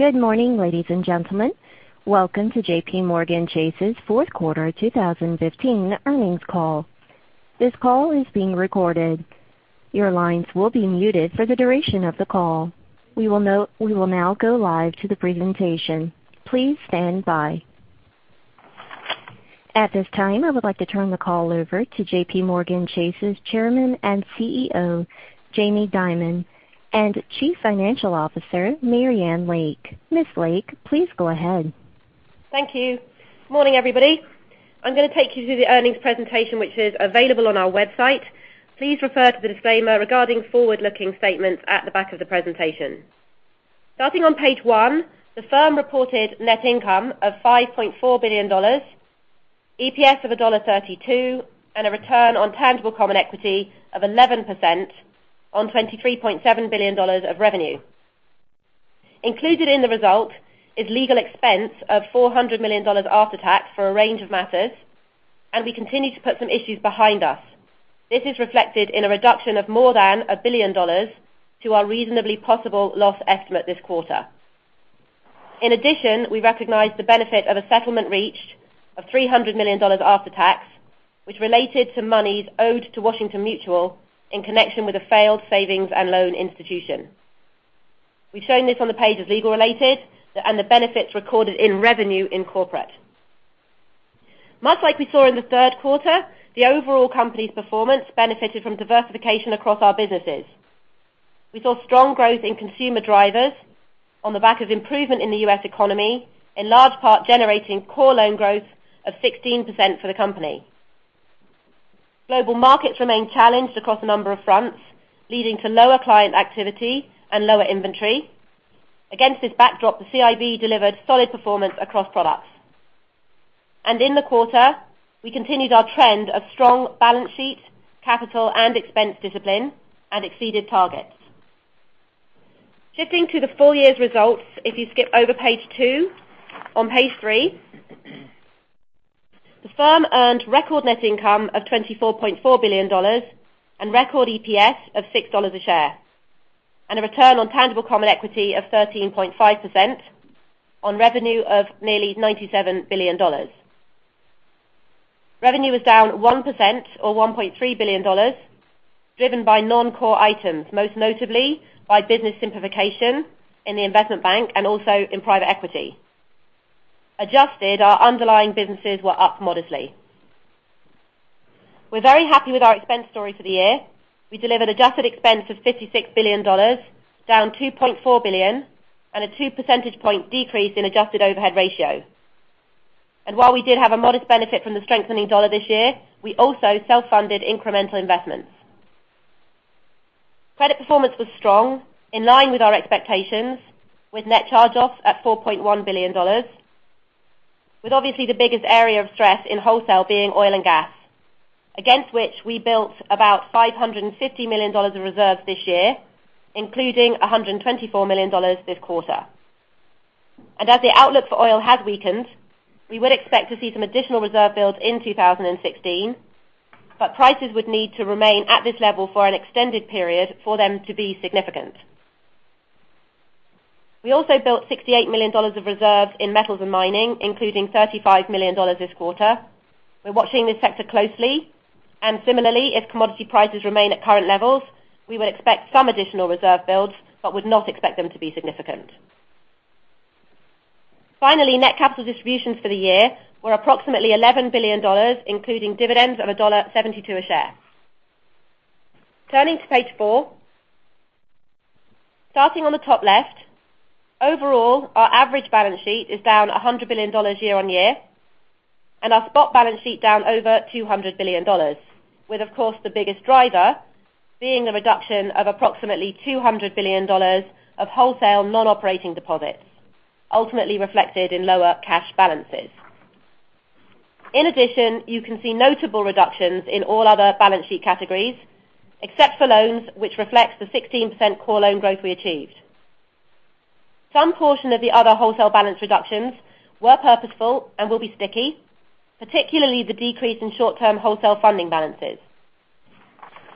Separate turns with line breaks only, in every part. Good morning, ladies and gentlemen. Welcome to JPMorgan Chase's fourth quarter 2015 earnings call. This call is being recorded. Your lines will be muted for the duration of the call. We will now go live to the presentation. Please stand by. At this time, I would like to turn the call over to JPMorgan Chase's Chairman and CEO, Jamie Dimon, and Chief Financial Officer, Marianne Lake. Ms. Lake, please go ahead.
Thank you. Morning, everybody. I'm going to take you through the earnings presentation, which is available on our website. Please refer to the disclaimer regarding forward-looking statements at the back of the presentation. Starting on page one, the firm reported net income of $5.4 billion, EPS of $1.32, and a return on tangible common equity of 11% on $23.7 billion of revenue. Included in the result is legal expense of $400 million after tax for a range of matters. We continue to put some issues behind us. This is reflected in a reduction of more than $1 billion to our reasonably possible loss estimate this quarter. In addition, we recognized the benefit of a settlement reached of $300 million after tax, which related to monies owed to Washington Mutual in connection with a failed savings and loan institution. We've shown this on the page as legal related and the benefits recorded in revenue in corporate. Much like we saw in the third quarter, the overall company's performance benefited from diversification across our businesses. We saw strong growth in consumer drivers on the back of improvement in the U.S. economy, in large part generating core loan growth of 16% for the company. Global markets remain challenged across a number of fronts, leading to lower client activity and lower inventory. Against this backdrop, the CIB delivered solid performance across products. In the quarter, we continued our trend of strong balance sheet, capital, and expense discipline and exceeded targets. Shifting to the full year's results, if you skip over page two, on page three, the firm earned record net income of $24.4 billion and record EPS of $6 a share, and a return on tangible common equity of 13.5% on revenue of nearly $97 billion. Revenue was down 1% or $1.3 billion, driven by non-core items, most notably by business simplification in the Investment Bank and also in private equity. Adjusted, our underlying businesses were up modestly. We're very happy with our expense story for the year. We delivered adjusted expense of $56 billion, down $2.4 billion, and a two percentage point decrease in adjusted overhead ratio. While we did have a modest benefit from the strengthening dollar this year, we also self-funded incremental investments. Credit performance was strong, in line with our expectations, with net charge-offs at $4.1 billion, with obviously the biggest area of stress in wholesale being oil and gas, against which we built about $550 million of reserves this year, including $124 million this quarter. As the outlook for oil has weakened, we would expect to see some additional reserve builds in 2016, but prices would need to remain at this level for an extended period for them to be significant. We also built $68 million of reserves in metals and mining, including $35 million this quarter. We're watching this sector closely, and similarly, if commodity prices remain at current levels, we would expect some additional reserve builds but would not expect them to be significant. Finally, net capital distributions for the year were approximately $11 billion, including dividends of $1.72 a share. Turning to page four, starting on the top left, overall, our average balance sheet is down $100 billion year-over-year, and our spot balance sheet down over $200 billion. With, of course, the biggest driver being the reduction of approximately $200 billion of wholesale non-operating deposits, ultimately reflected in lower cash balances. In addition, you can see notable reductions in all other balance sheet categories, except for loans, which reflects the 16% core loan growth we achieved. Some portion of the other wholesale balance reductions were purposeful and will be sticky, particularly the decrease in short-term wholesale funding balances.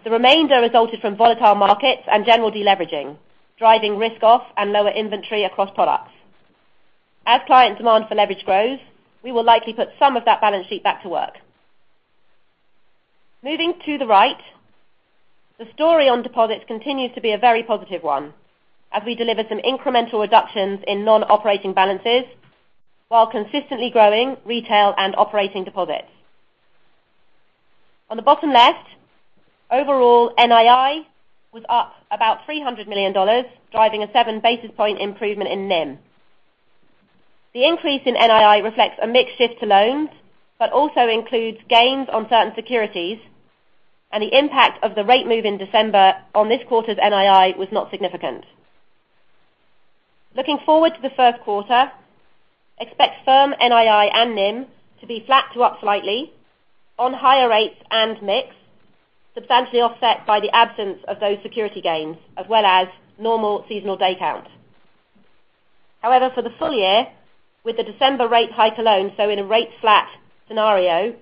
The remainder resulted from volatile markets and general deleveraging, driving risk off and lower inventory across products. As client demand for leverage grows, we will likely put some of that balance sheet back to work. Moving to the right, the story on deposits continues to be a very positive one as we delivered some incremental reductions in non-operating balances while consistently growing retail and operating deposits. On the bottom left, overall NII was up about $300 million, driving a 7 basis point improvement in NIM. The increase in NII reflects a mix shift to loans but also includes gains on certain securities, and the impact of the rate move in December on this quarter's NII was not significant. Looking forward to the first quarter, expect firm NII and NIM to be flat to up slightly on higher rates and mix, substantially offset by the absence of those security gains as well as normal seasonal day counts. However, for the full year, with the December rate hike alone, in a rate flat scenario.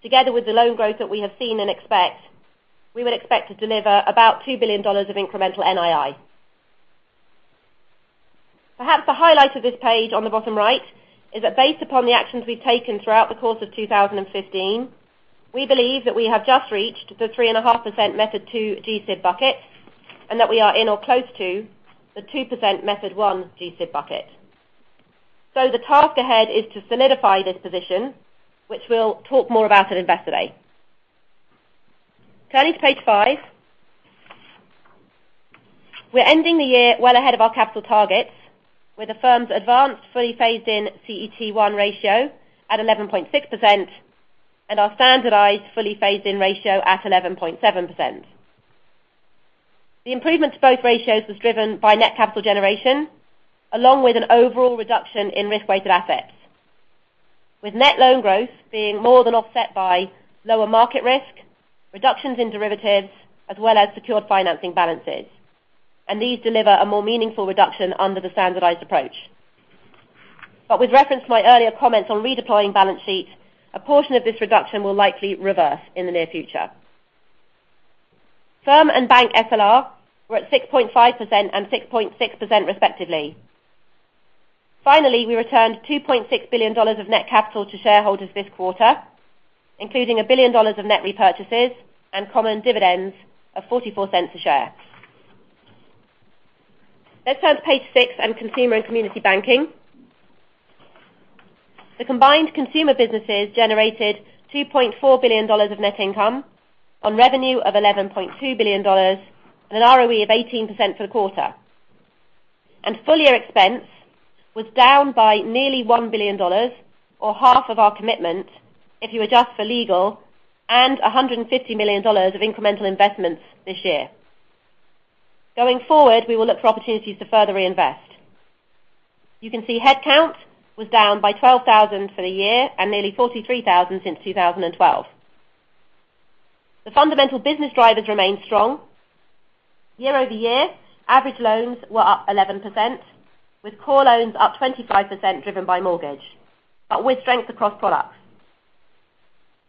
Together with the loan growth that we have seen and expect, we would expect to deliver about $2 billion of incremental NII. Perhaps the highlight of this page on the bottom right, is that based upon the actions we've taken throughout the course of 2015, we believe that we have just reached the 3.5% Method 2 GSIB bucket, and that we are in or close to the 2% Method 1 GSIB bucket. The task ahead is to solidify this position, which we'll talk more about at Investor Day. Turning to page five. We're ending the year well ahead of our capital targets, with the firm's advanced fully phased in CET1 ratio at 11.6% and our standardized fully phased in ratio at 11.7%. The improvement to both ratios was driven by net capital generation, along with an overall reduction in risk-weighted assets, with net loan growth being more than offset by lower market risk, reductions in derivatives, as well as secured financing balances. These deliver a more meaningful reduction under the standardized approach. With reference to my earlier comments on redeploying balance sheets, a portion of this reduction will likely reverse in the near future. Firm and bank FLR were at 6.5% and 6.6% respectively. Finally, we returned $2.6 billion of net capital to shareholders this quarter, including $1 billion of net repurchases and common dividends of $0.44 a share. Let's turn to page six on Consumer and Community Banking. The combined consumer businesses generated $2.4 billion of net income on revenue of $11.2 billion and an ROE of 18% for the quarter. Full-year expense was down by nearly $1 billion, or half of our commitment, if you adjust for legal, and $150 million of incremental investments this year. Going forward, we will look for opportunities to further reinvest. You can see head count was down by 12,000 for the year and nearly 43,000 since 2012. The fundamental business drivers remain strong. Year-over-year, average loans were up 11%, with core loans up 25% driven by mortgage, but with strength across products.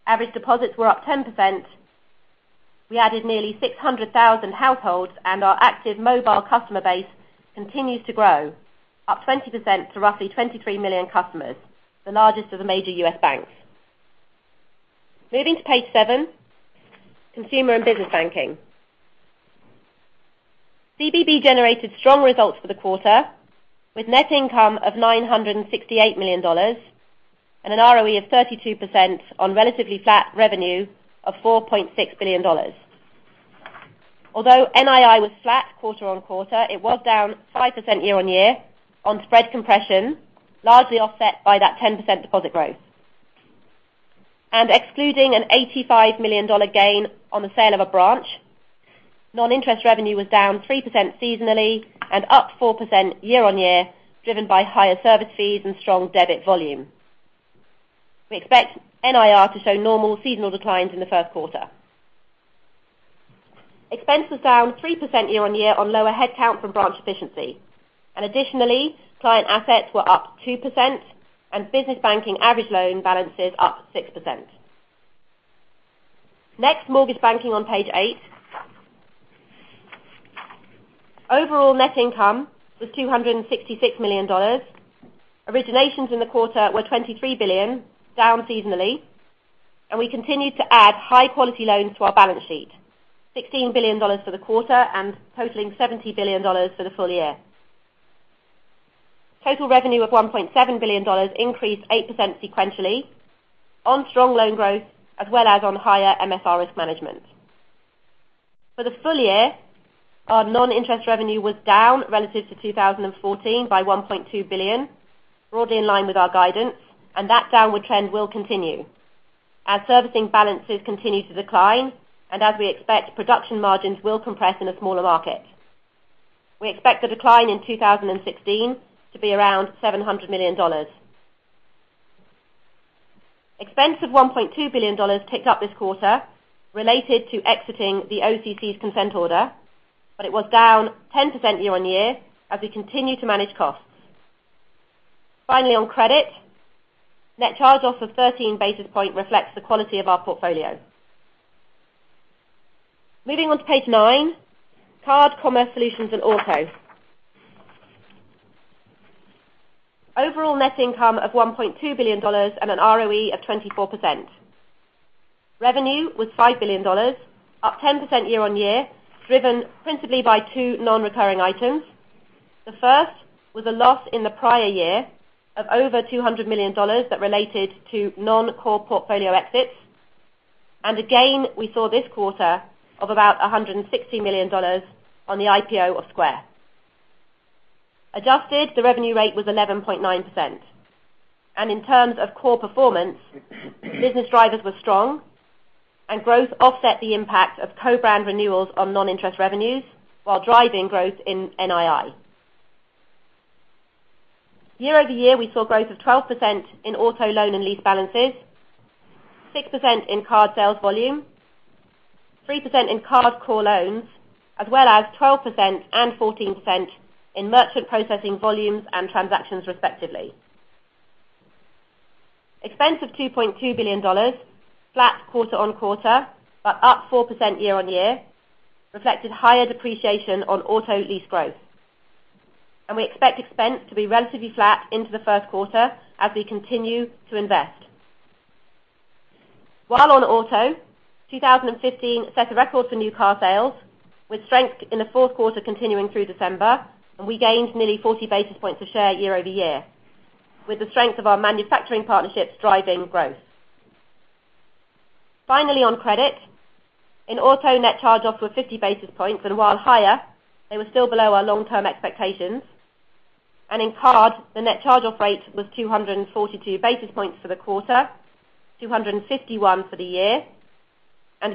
Average deposits were up 10%. We added nearly 600,000 households, and our active mobile customer base continues to grow, up 20% to roughly 23 million customers, the largest of the major U.S. banks. Moving to page seven, Consumer and Business Banking. CBB generated strong results for the quarter, with net income of $968 million and an ROE of 32% on relatively flat revenue of $4.6 billion. Although NII was flat quarter-on-quarter, it was down 5% year-on-year on spread compression, largely offset by that 10% deposit growth. Excluding an $85 million gain on the sale of a branch, non-interest revenue was down 3% seasonally and up 4% year-on-year, driven by higher service fees and strong debit volume. We expect NIR to show normal seasonal declines in the first quarter. Expense was down 3% year-on-year on lower head count from branch efficiency. Additionally, client assets were up 2% and business banking average loan balances up 6%. Next, Mortgage Banking on page eight. Overall net income was $266 million. Originations in the quarter were $23 billion, down seasonally, and we continued to add high-quality loans to our balance sheet. $16 billion for the quarter and totaling $70 billion for the full year. Total revenue of $1.7 billion increased 8% sequentially on strong loan growth as well as on higher MSR risk management. For the full year, our non-interest revenue was down relative to 2014 by $1.2 billion, broadly in line with our guidance, and that downward trend will continue as servicing balances continue to decline, and as we expect production margins will compress in a smaller market. We expect the decline in 2016 to be around $700 million. Expense of $1.2 billion ticked up this quarter related to exiting the OCC's consent order, it was down 10% year-on-year as we continue to manage costs. Finally, on credit, net charge-off of 13 basis points reflects the quality of our portfolio. Moving on to page nine, Card, Commerce Solutions and Auto. Overall net income of $1.2 billion and an ROE of 24%. Revenue was $5 billion, up 10% year-on-year, driven principally by two non-recurring items. The first was a loss in the prior year of over $200 million that related to non-core portfolio exits. Again, we saw this quarter of about $160 million on the IPO of Square. Adjusted, the revenue rate was 11.9%. In terms of core performance, business drivers were strong and growth offset the impact of co-brand renewals on non-interest revenues while driving growth in NII. Year-over-year, we saw growth of 12% in auto loan and lease balances, 6% in card sales volume 3% in card core loans, as well as 12% and 14% in merchant processing volumes and transactions respectively. Expense of $2.2 billion, flat quarter-on-quarter, but up 4% year-on-year, reflected higher depreciation on auto lease growth. We expect expense to be relatively flat into the first quarter as we continue to invest. While on auto, 2015 set a record for new car sales, with strength in the fourth quarter continuing through December, and we gained nearly 40 basis points of share year-over-year, with the strength of our manufacturing partnerships driving growth. Finally, on credit. In auto, net charge-offs were 50 basis points, and while higher, they were still below our long-term expectations. In card, the net charge-off rate was 242 basis points for the quarter, 251 for the year.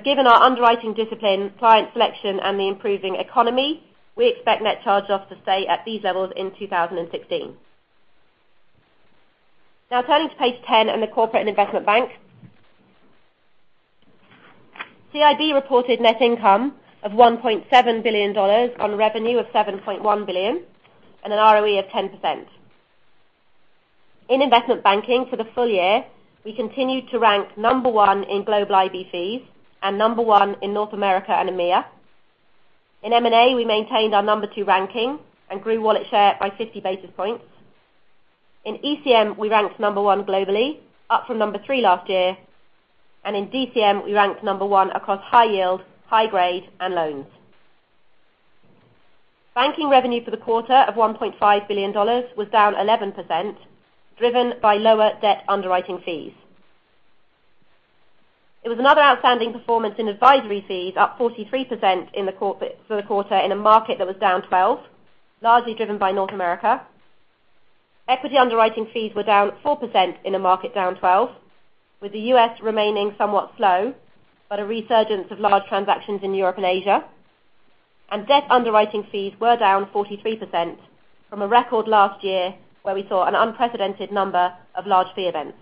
Given our underwriting discipline, client selection, and the improving economy, we expect net charge-offs to stay at these levels in 2016. Now turning to page 10 and the Corporate & Investment Bank. CIB reported net income of $1.7 billion on revenue of $7.1 billion, and an ROE of 10%. In investment banking for the full year, we continued to rank number one in global IB fees and number one in North America and EMEA. In M&A, we maintained our number two ranking and grew wallet share by 50 basis points. In ECM, we ranked number one globally, up from number three last year, and in DCM, we ranked number one across high yield, high grade, and loans. Banking revenue for the quarter of $1.5 billion was down 11%, driven by lower debt underwriting fees. It was another outstanding performance in advisory fees, up 43% for the quarter in a market that was down 12%, largely driven by North America. Equity underwriting fees were down 4% in a market down 12%, with the U.S. remaining somewhat slow, but a resurgence of large transactions in Europe and Asia. Debt underwriting fees were down 43% from a record last year, where we saw an unprecedented number of large fee events.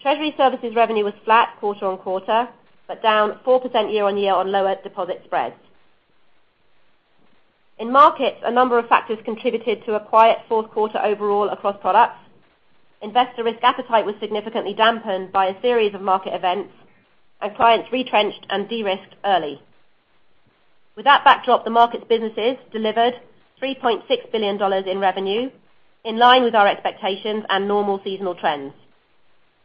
Treasury services revenue was flat quarter-on-quarter, but down 4% year-on-year on lower deposit spreads. In markets, a number of factors contributed to a quiet fourth quarter overall across products. Investor risk appetite was significantly dampened by a series of market events, and clients retrenched and de-risked early. With that backdrop, the markets businesses delivered $3.6 billion in revenue, in line with our expectations and normal seasonal trends,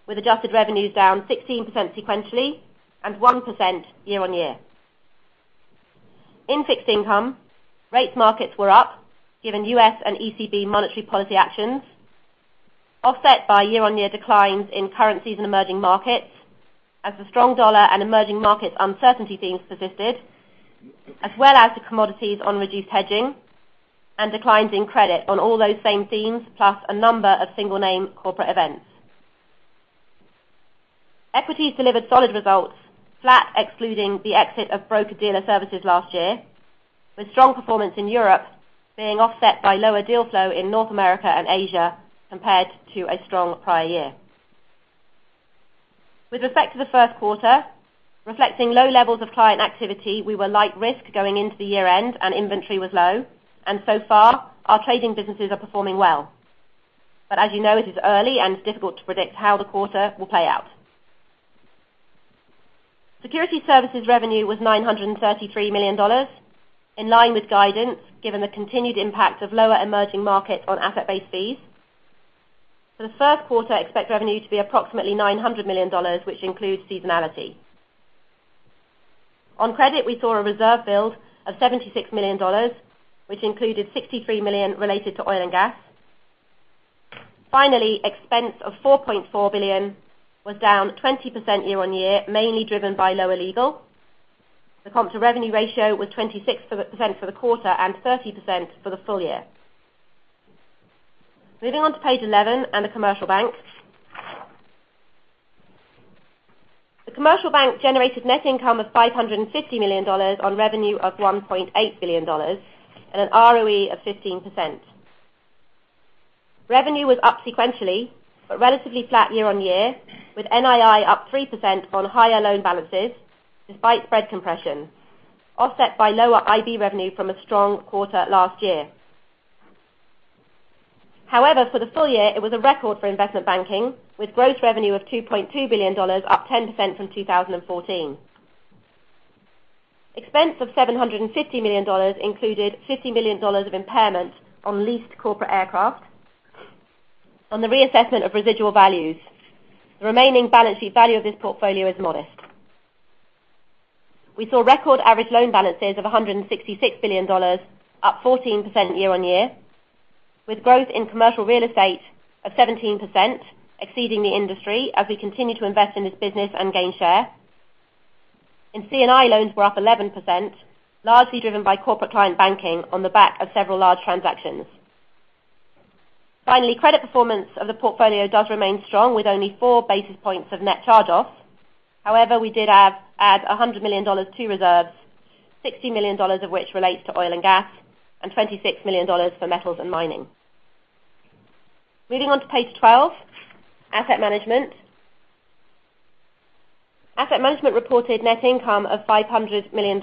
with adjusted revenues down 16% sequentially and 1% year-on-year. In fixed income, rates markets were up, given U.S. ECB monetary policy actions, offset by year-on-year declines in currencies and emerging markets as the strong dollar and emerging market uncertainty themes persisted, as well as the commodities on reduced hedging and declines in credit on all those same themes, plus a number of single name corporate events. Equities delivered solid results, flat excluding the exit of broker dealer services last year, with strong performance in Europe being offset by lower deal flow in North America and Asia compared to a strong prior year. With respect to the first quarter, reflecting low levels of client activity, we were light risk going into the year-end and inventory was low. So far, our trading businesses are performing well. As you know, it is early and difficult to predict how the quarter will play out. Security services revenue was $933 million, in line with guidance, given the continued impact of lower emerging markets on asset-based fees. For the first quarter, expect revenue to be approximately $900 million, which includes seasonality. On credit, we saw a reserve build of $76 million, which included $63 million related to oil and gas. Finally, expense of $4.4 billion was down 20% year-on-year, mainly driven by lower legal. The comp to revenue ratio was 26% for the quarter and 30% for the full year. Moving on to page 11 and the Commercial Bank. The Commercial Bank generated net income of $550 million on revenue of $1.8 billion and an ROE of 15%. Revenue was up sequentially, but relatively flat year-on-year, with NII up 3% on higher loan balances despite spread compression, offset by lower IB revenue from a strong quarter last year. For the full year, it was a record for investment banking, with gross revenue of $2.2 billion, up 10% from 2014. Expense of $750 million included $50 million of impairment on leased corporate aircraft. On the reassessment of residual values, the remaining balance sheet value of this portfolio is modest. We saw record average loan balances of $166 billion, up 14% year-on-year, with growth in commercial real estate of 17%, exceeding the industry as we continue to invest in this business and gain share. C&I loans were up 11%, largely driven by corporate client banking on the back of several large transactions. Finally, credit performance of the portfolio does remain strong with only four basis points of net charge-offs. We did add $100 million to reserves, $60 million of which relates to oil and gas and $26 million for metals and mining. Moving on to page 12, Asset Management. Asset Management reported net income of $500 million,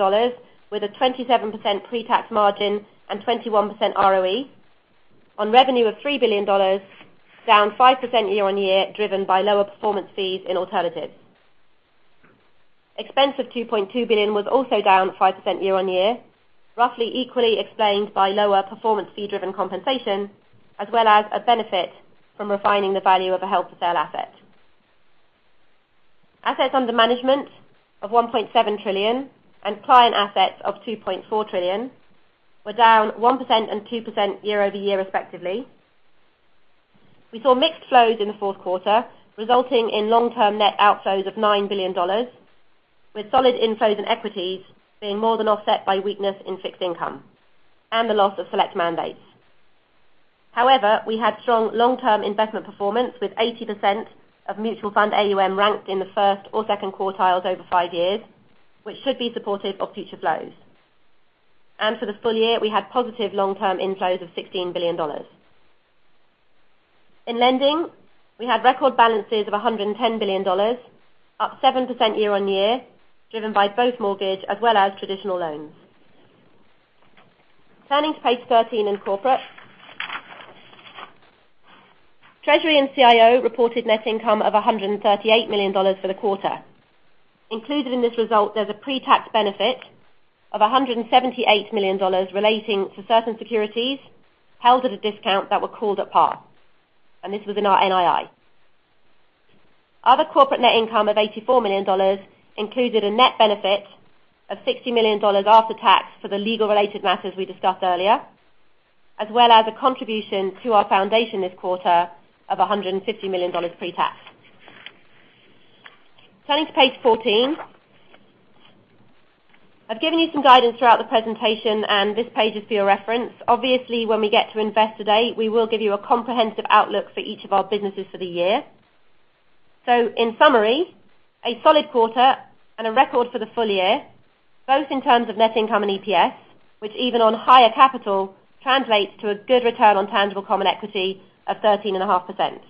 with a 27% pre-tax margin and 21% ROE on revenue of $3 billion, down 5% year-on-year, driven by lower performance fees in alternatives. Expense of $2.2 billion was also down 5% year-on-year, roughly equally explained by lower performance fee-driven compensation, as well as a benefit from refining the value of a held-for-sale asset. Assets under management of $1.7 trillion and client assets of $2.4 trillion were down 1% and 2% year-over-year respectively. We saw mixed flows in the fourth quarter, resulting in long-term net outflows of $9 billion, with solid inflows in equities being more than offset by weakness in fixed income and the loss of select mandates. We had strong long-term investment performance, with 80% of mutual fund AUM ranked in the first or second quartiles over five years, which should be supportive of future flows. For the full year, we had positive long-term inflows of $16 billion. In lending, we had record balances of $110 billion, up 7% year-on-year, driven by both mortgage as well as traditional loans. Turning to page 13 in corporate. Treasury and CIO reported net income of $138 million for the quarter. Included in this result, there's a pre-tax benefit of $178 million relating to certain securities held at a discount that were called at par, and this was in our NII. Other corporate net income of $84 million included a net benefit of $60 million after tax for the legal-related matters we discussed earlier, as well as a contribution to our foundation this quarter of $150 million pre-tax. Turning to page 14. I've given you some guidance throughout the presentation, and this page is for your reference. Obviously, when we get to Investor Day, we will give you a comprehensive outlook for each of our businesses for the year. In summary, a solid quarter and a record for the full year, both in terms of net income and EPS, which even on higher capital, translates to a good return on tangible common equity of 13.5%.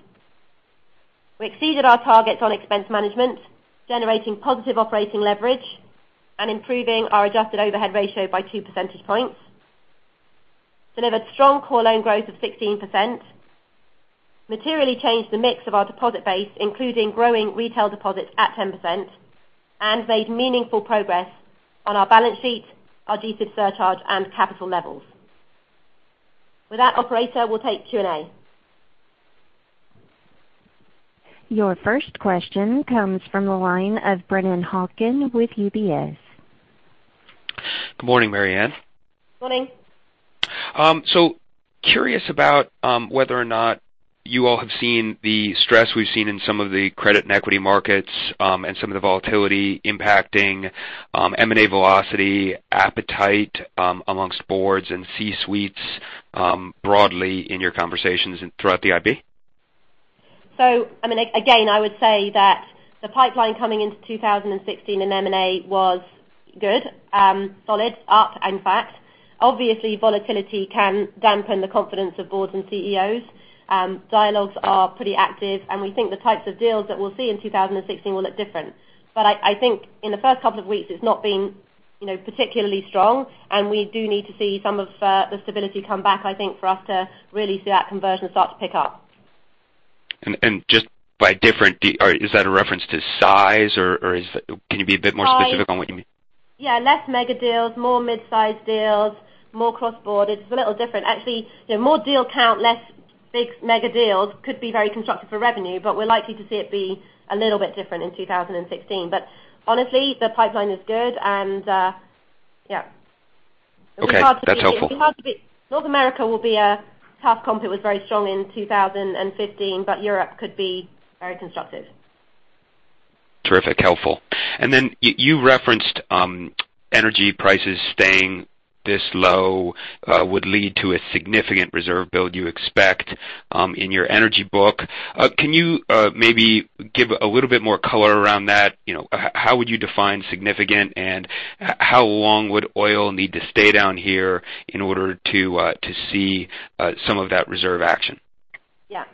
We exceeded our targets on expense management, generating positive operating leverage and improving our adjusted overhead ratio by two percentage points. Delivered strong core loan growth of 16%. Materially changed the mix of our deposit base, including growing retail deposits at 10%, and made meaningful progress on our balance sheet, our GSIB surcharge, and capital levels. With that, operator, we'll take Q&A.
Your first question comes from the line of Brennan Hawken with UBS.
Good morning, Marianne.
Morning.
Curious about whether or not you all have seen the stress we've seen in some of the credit and equity markets and some of the volatility impacting M&A velocity, appetite amongst boards and C-suites broadly in your conversations and throughout the IB.
Again, I would say that the pipeline coming into 2016 in M&A was good, solid, up and flat. Obviously, volatility can dampen the confidence of boards and CEOs. Dialogues are pretty active, and we think the types of deals that we'll see in 2016 will look different. I think in the first couple of weeks, it's not been particularly strong, and we do need to see some of the stability come back, I think, for us to really see that conversion start to pick up.
Just by different, is that a reference to size or can you be a bit more specific on what you mean?
Yeah. Less mega deals, more mid-size deals, more cross-border. It's a little different. Actually, more deal count, less big mega deals could be very constructive for revenue, but we're likely to see it be a little bit different in 2016. Honestly, the pipeline is good and yeah.
Okay. That's helpful.
North America will be a tough comp. It was very strong in 2015. Europe could be very constructive.
Terrific, helpful. You referenced energy prices staying this low would lead to a significant reserve build you expect in your energy book. Can you maybe give a little bit more color around that? How would you define significant, and how long would oil need to stay down here in order to see some of that reserve action?
Yeah.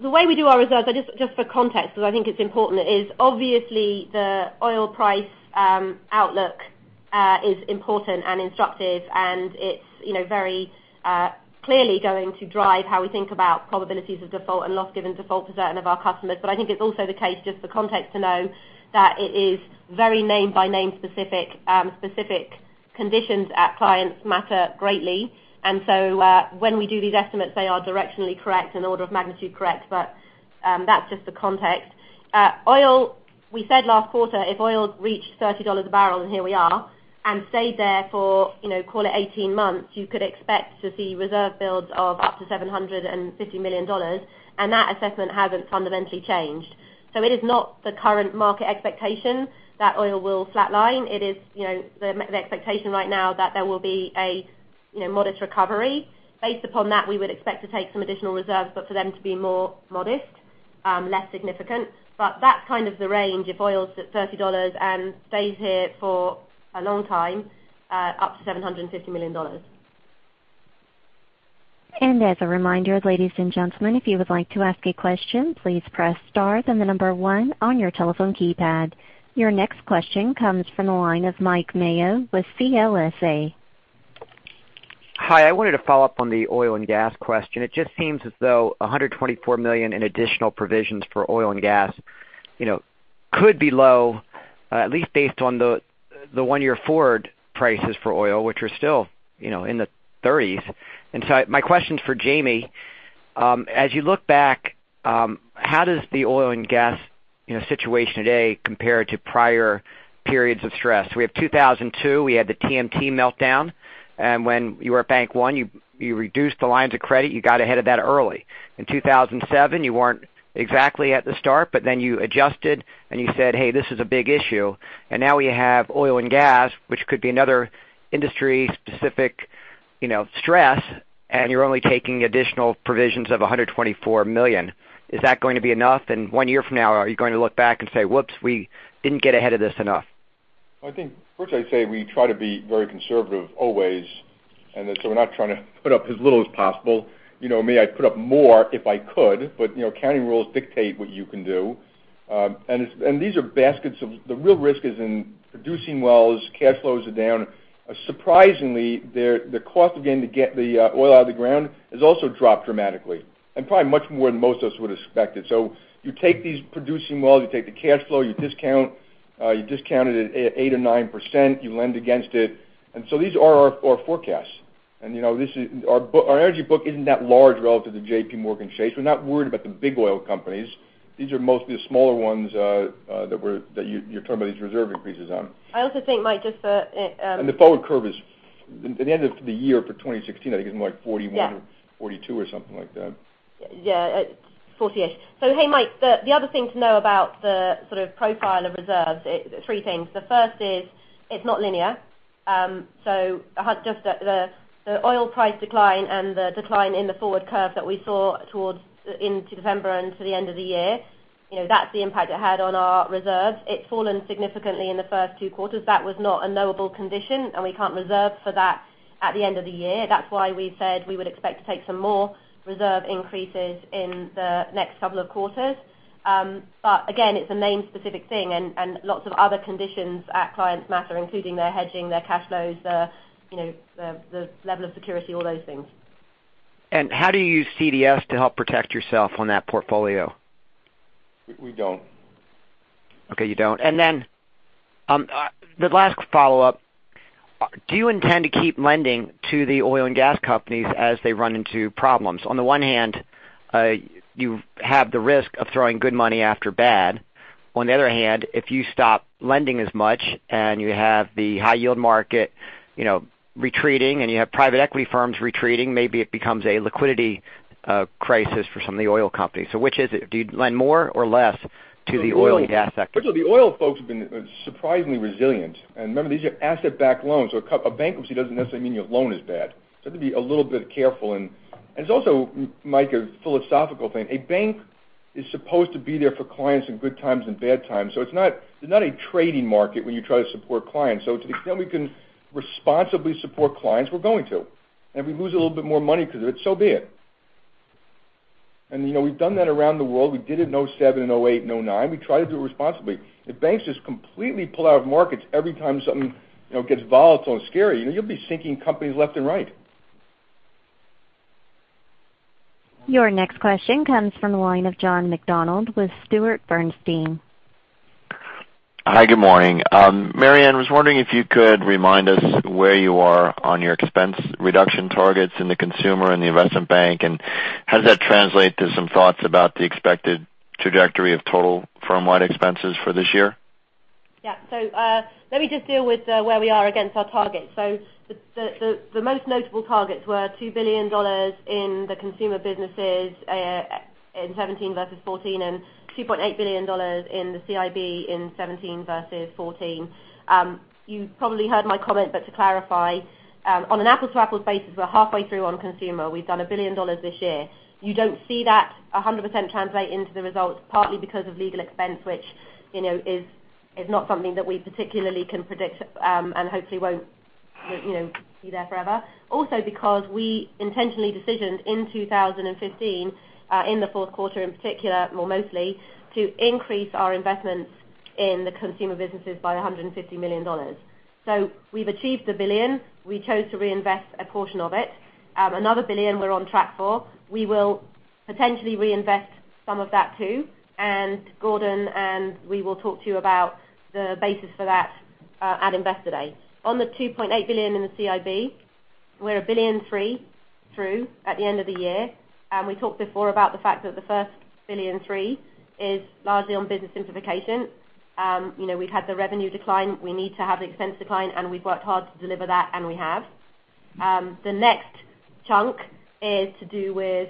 The way we do our reserves, just for context, because I think it's important, is obviously the oil price outlook is important and instructive, and it's very clearly going to drive how we think about probabilities of default and loss given default for certain of our customers. I think it's also the case, just for context to know that it is very name by name specific. Specific conditions at clients matter greatly. When we do these estimates, they are directionally correct and order of magnitude correct, but that's just the context. We said last quarter, if oil reached $30 a barrel, and here we are, and stayed there for call it 18 months, you could expect to see reserve builds of up to $750 million, and that assessment hasn't fundamentally changed. It is not the current market expectation that oil will flatline. It is the expectation right now that there will be a modest recovery. Based upon that, we would expect to take some additional reserves, but for them to be more modest. Less significant. That's kind of the range. If oil's at $30 and stays here for a long time, up to $750 million.
As a reminder, ladies and gentlemen, if you would like to ask a question, please press star, then the number 1 on your telephone keypad. Your next question comes from the line of Mike Mayo with CLSA.
Hi. I wanted to follow up on the oil and gas question. It just seems as though $124 million in additional provisions for oil and gas could be low, at least based on the one-year forward prices for oil, which are still in the 30s. My question's for Jamie. As you look back, how does the oil and gas situation today compare to prior periods of stress? We have 2002, we had the TMT meltdown, and when you were at Bank One, you reduced the lines of credit. You got ahead of that early. In 2007, you weren't exactly at the start, you adjusted and you said, "Hey, this is a big issue." Now we have oil and gas, which could be another industry-specific stress, and you're only taking additional provisions of $124 million. Is that going to be enough? One year from now, are you going to look back and say, "Whoops, we didn't get ahead of this enough"?
I think first I'd say we try to be very conservative always. We're not trying to put up as little as possible. Me, I'd put up more if I could, but accounting rules dictate what you can do. These are baskets. The real risk is in producing wells, cash flows are down. Surprisingly, the cost of getting the oil out of the ground has also dropped dramatically, probably much more than most of us would expect it. You take these producing wells, you take the cash flow, you discount it at 8 or 9%, you lend against it. These are our forecasts. Our energy book isn't that large relative to JPMorgan Chase. We're not worried about the big oil companies. These are mostly the smaller ones that you're talking about these reserve increases on.
I also think, Mike.
The forward curve is, at the end of the year for 2016, I think it was like.
Yeah
or 42 or something like that.
Yeah. 40-ish. Hey, Mike, the other thing to know about the sort of profile of reserves, three things. The first is, it's not linear. Just the oil price decline and the decline in the forward curve that we saw towards into December and to the end of the year, that's the impact it had on our reserves. It's fallen significantly in the first two quarters. That was not a knowable condition, and we can't reserve for that at the end of the year. That's why we said we would expect to take some more reserve increases in the next couple of quarters. Again, it's a name-specific thing and lots of other conditions at clients matter, including their hedging, their cash flows, the level of security, all those things.
How do you use CDS to help protect yourself on that portfolio?
We don't.
Okay, you don't. The last follow-up. Do you intend to keep lending to the oil and gas companies as they run into problems? On the one hand, you have the risk of throwing good money after bad. On the other hand, if you stop lending as much and you have the high yield market retreating, and you have private equity firms retreating, maybe it becomes a liquidity crisis for some of the oil companies. Which is it? Do you lend more or less to the oil and gas sector?
Richard, the oil folks have been surprisingly resilient. Remember, these are asset-backed loans, so a bankruptcy doesn't necessarily mean your loan is bad. Have to be a little bit careful. It's also, Mike, a philosophical thing. A bank is supposed to be there for clients in good times and bad times. It's not a trading market when you try to support clients. To the extent we can responsibly support clients, we're going to. If we lose a little bit more money because of it, so be it. We've done that around the world. We did it in 2007 and 2008 and 2009. We try to do it responsibly. If banks just completely pull out of markets every time something gets volatile and scary, you'll be sinking companies left and right.
Your next question comes from the line of John McDonald with Sanford Bernstein.
Hi, good morning. Marianne, was wondering if you could remind us where you are on your expense reduction targets in the Consumer and the Investment Bank, and how does that translate to some thoughts about the expected trajectory of total firm-wide expenses for this year?
Yeah. Let me just deal with where we are against our targets. The most notable targets were $2 billion in the Consumer businesses in 2017 versus 2014, and $2.8 billion in the CIB in 2017 versus 2014. You probably heard my comment, but to clarify, on an apples-to-apples basis, we're halfway through on Consumer. We've done $1 billion this year. You don't see that 100% translate into the results, partly because of legal expense, which is not something that we particularly can predict, and hopefully won't be there forever. Because we intentionally decisioned in 2015, in the fourth quarter in particular, or mostly, to increase our investments in the Consumer businesses by $150 million. We've achieved the $1 billion. We chose to reinvest a portion of it. Another $1 billion we're on track for. We will potentially reinvest some of that too. Gordon and we will talk to you about the basis for that at Investor Day. On the $2.8 billion in the CIB, we're $1.3 billion through at the end of the year. We talked before about the fact that the first $1.3 billion is largely on business simplification. We had the revenue decline. We need to have the expense decline. We've worked hard to deliver that. We have. The next chunk is to do with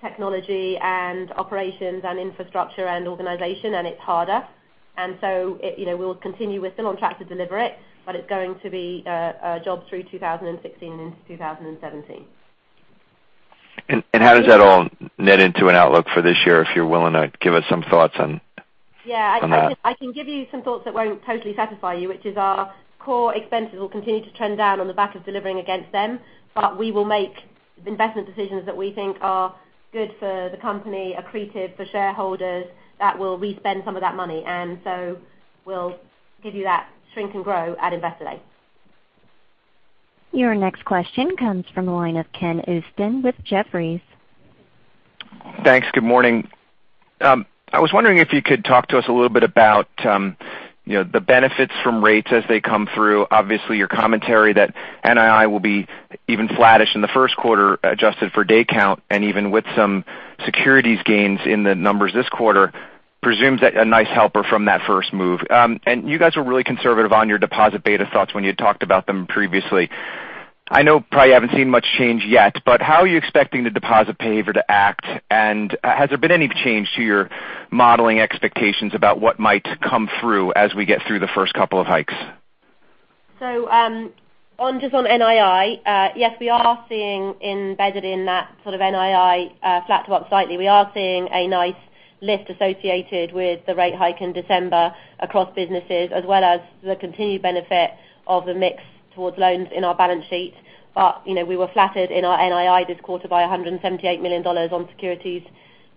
technology and operations and infrastructure and organization. It's harder. We'll continue. We're still on track to deliver it. It's going to be a job through 2016 and into 2017.
How does that all net into an outlook for this year, if you're willing to give us some thoughts on that?
Yeah. I can give you some thoughts that won't totally satisfy you, which is our core expenses will continue to trend down on the back of delivering against them. We will make investment decisions that we think are good for the company, accretive for shareholders, that will re-spend some of that money. We'll give you that shrink and grow at Investor Day.
Your next question comes from the line of Ken Usdin with Jefferies.
Thanks. Good morning. I was wondering if you could talk to us a little bit about the benefits from rates as they come through. Obviously, your commentary that NII will be even flattish in the first quarter, adjusted for day count, and even with some securities gains in the numbers this quarter presumes a nice helper from that first move. You guys were really conservative on your deposit beta thoughts when you had talked about them previously. I know probably you haven't seen much change yet, but how are you expecting the deposit behavior to act, and has there been any change to your modeling expectations about what might come through as we get through the first couple of hikes?
Just on NII, yes, we are seeing embedded in that sort of NII flat to up slightly. We are seeing a nice lift associated with the rate hike in December across businesses, as well as the continued benefit of the mix towards loans in our balance sheet. We were flattered in our NII this quarter by $178 million on securities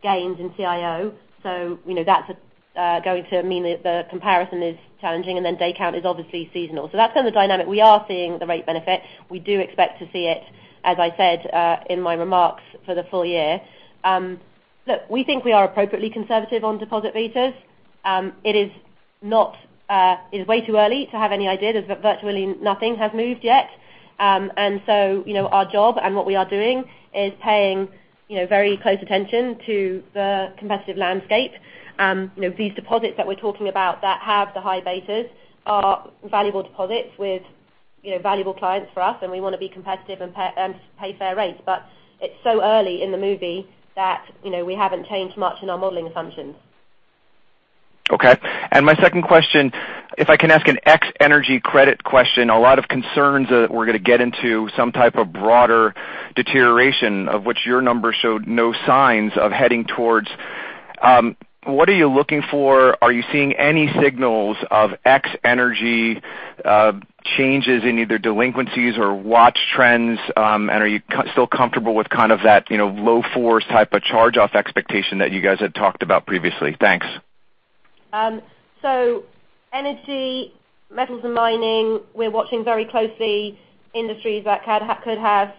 gains in CIO. That's going to mean that the comparison is challenging, and then day count is obviously seasonal. That's kind of the dynamic. We are seeing the rate benefit. We do expect to see it, as I said in my remarks, for the full year. Look, we think we are appropriately conservative on deposit betas. It is way too early to have any idea, as virtually nothing has moved yet. Our job and what we are doing is paying very close attention to the competitive landscape. These deposits that we're talking about that have the high betas are valuable deposits with valuable clients for us, and we want to be competitive and pay fair rates. It's so early in the movie that we haven't changed much in our modeling assumptions.
Okay. My second question, if I can ask an ex energy credit question. A lot of concerns that we're going to get into some type of broader deterioration, of which your numbers showed no signs of heading towards. What are you looking for? Are you seeing any signals of ex energy changes in either delinquencies or watch trends? Are you still comfortable with kind of that low-4 type of charge-off expectation that you guys had talked about previously? Thanks.
Energy, metals and mining, we're watching very closely industries that could have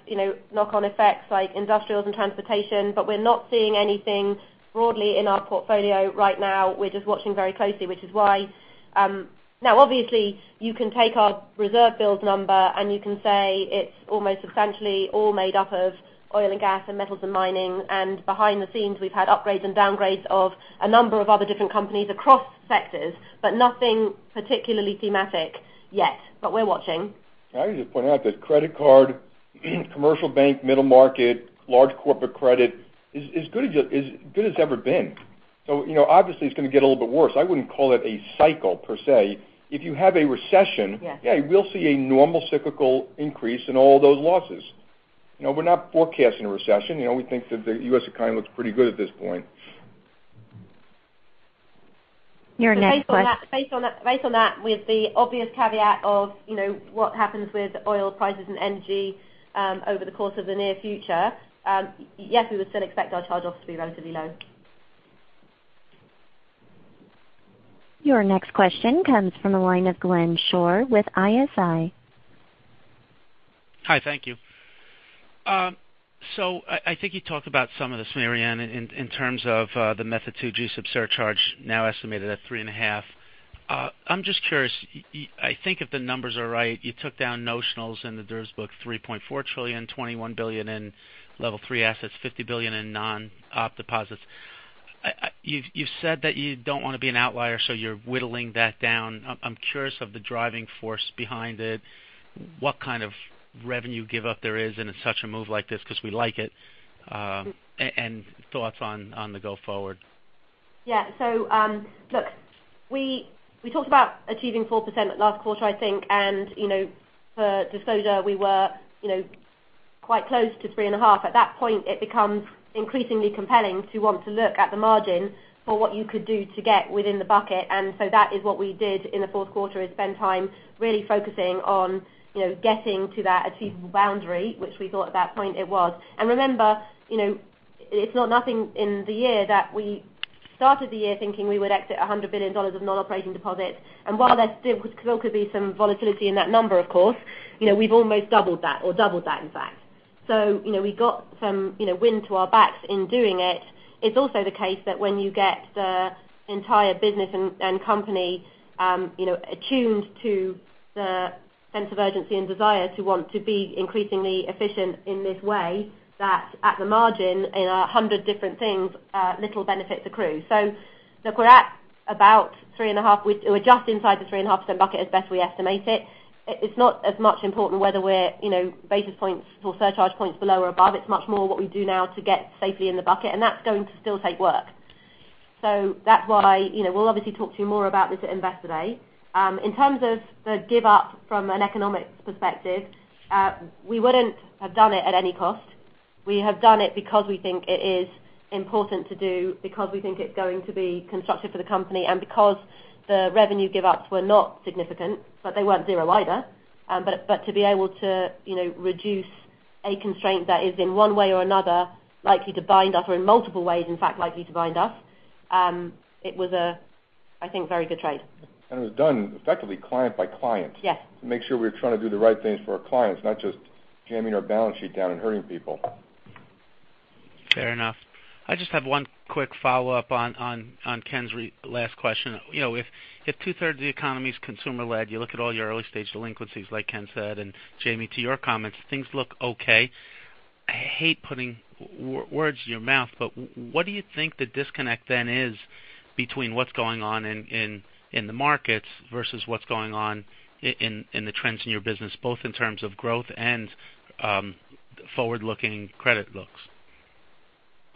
knock-on effects like industrials and transportation, but we're not seeing anything broadly in our portfolio right now. We're just watching very closely. Now obviously, you can take our reserve builds number and you can say it's almost substantially all made up of oil and gas and metals and mining. Behind the scenes, we've had upgrades and downgrades of a number of other different companies across sectors, but nothing particularly thematic yet. We're watching.
I would just point out that credit card, commercial bank, middle market, large corporate credit is as good as ever been. Obviously it's going to get a little bit worse. I wouldn't call it a cycle per se. If you have a recession-
Yes
You will see a normal cyclical increase in all those losses. We're not forecasting a recession. We think that the U.S. economy looks pretty good at this point.
Your next question-
Based on that, with the obvious caveat of what happens with oil prices and energy over the course of the near future, yes, we would still expect our charge-offs to be relatively low.
Your next question comes from the line of Glenn Schorr with ISI.
Hi. Thank you. I think you talked about some of this, Marianne, in terms of the Method 2 G-SIB surcharge now estimated at 3.5%. I'm just curious, I think if the numbers are right, you took down notionals in the derivatives book $3.4 trillion, $21 billion in Level 3 assets, $50 billion in non-op deposits. You've said that you don't want to be an outlier, so you're whittling that down. I'm curious of the driving force behind it. What kind of revenue give up there is in such a move like this, because we like it. Thoughts on the go forward.
Yeah. Look, we talked about achieving 4% last quarter, I think. For disclosure, we were quite close to 3.5%. At that point, it becomes increasingly compelling to want to look at the margin for what you could do to get within the bucket. That is what we did in the fourth quarter, is spend time really focusing on getting to that achievable boundary, which we thought at that point it was. Remember, it's not nothing in the year that we started the year thinking we would exit $100 billion of non-operating deposits. While there still could be some volatility in that number, of course, we've almost doubled that, or doubled that, in fact. We got some wind to our backs in doing it. It's also the case that when you get the entire business and company attuned to the sense of urgency and desire to want to be increasingly efficient in this way, that at the margin, in 100 different things, little benefits accrue. Look, we're at about three and a half. We're just inside the 3.5% bucket as best we estimate it. It's not as much important whether we're basis points or surcharge points below or above. It's much more what we do now to get safely in the bucket. That's going to still take work. That's why we'll obviously talk to you more about this at Investor Day. In terms of the give up from an economics perspective, we wouldn't have done it at any cost. We have done it because we think it is important to do, because we think it's going to be constructive for the company, because the revenue give ups were not significant, but they weren't zero either. To be able to reduce a constraint that is in one way or another likely to bind us, or in multiple ways, in fact, likely to bind us, it was a very good trade.
It was done effectively client by client.
Yes.
To make sure we were trying to do the right things for our clients, not just jamming our balance sheet down and hurting people.
Fair enough. I just have one quick follow-up on Ken's last question. If two-thirds of the economy's consumer-led, you look at all your early-stage delinquencies, like Ken said, and Jamie, to your comments, things look okay. I hate putting words in your mouth, but what do you think the disconnect then is between what's going on in the markets versus what's going on in the trends in your business, both in terms of growth and forward-looking credit looks?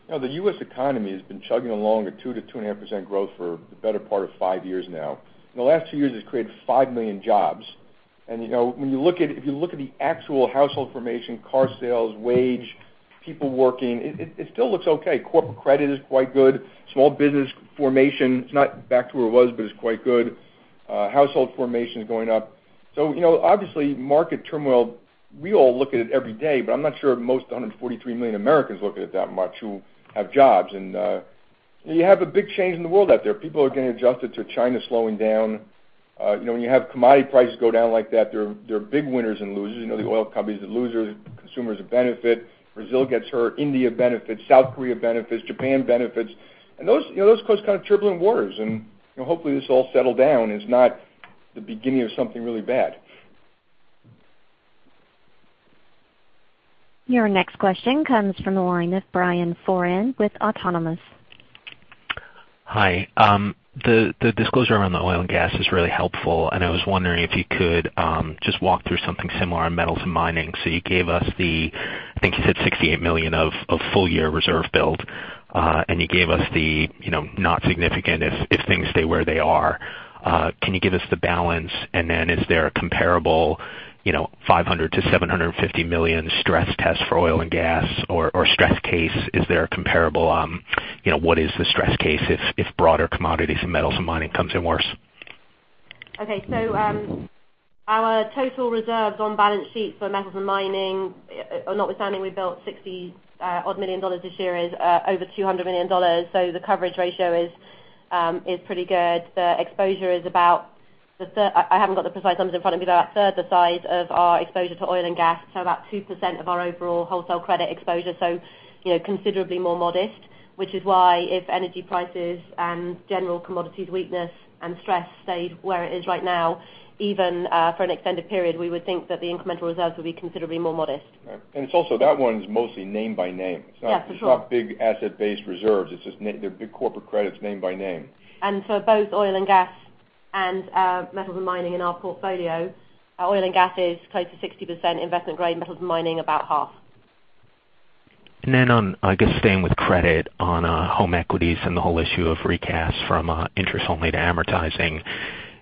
The U.S. economy has been chugging along at 2%-2.5% growth for the better part of five years now. In the last two years, it's created five million jobs. If you look at the actual household formation, car sales, wage, people working, it still looks okay. Corporate credit is quite good. Small business formation, it's not back to where it was, but it's quite good. Household formation is going up. Obviously, market turmoil, we all look at it every day, but I'm not sure most of the 143 million Americans look at it that much who have jobs. You have a big change in the world out there. People are getting adjusted to China slowing down. When you have commodity prices go down like that, there are big winners and losers. The oil companies are losers, consumers benefit. Brazil gets hurt. India benefits. South Korea benefits. Japan benefits. Those cause kind of turbulent waters, hopefully this will all settle down, it's not the beginning of something really bad.
Your next question comes from the line of Brian Foran with Autonomous.
Hi. The disclosure around the oil and gas is really helpful, I was wondering if you could just walk through something similar on metals and mining. You gave us the, I think you said $68 million of full-year reserve build, and you gave us the not significant if things stay where they are. Can you give us the balance? Is there a comparable $500 million-$750 million stress test for oil and gas or stress case? Is there a comparable, what is the stress case if broader commodities and metals and mining comes in worse?
Okay. Our total reserves on balance sheet for metals and mining, notwithstanding we built $60 million this year, is over $200 million. The coverage ratio is pretty good. The exposure is about, I haven't got the precise numbers in front of me, but about a third the size of our exposure to oil and gas, about 2% of our overall wholesale credit exposure. Considerably more modest, which is why if energy prices and general commodities weakness and stress stayed where it is right now, even for an extended period, we would think that the incremental reserves would be considerably more modest.
It's also that one's mostly name by name.
Yeah, for sure.
It's not big asset-based reserves. They're big corporate credits name by name.
For both oil and gas and metals and mining in our portfolio, our oil and gas is close to 60% investment grade, metals and mining about half.
On, I guess staying with credit on home equities and the whole issue of recast from interest only to amortizing.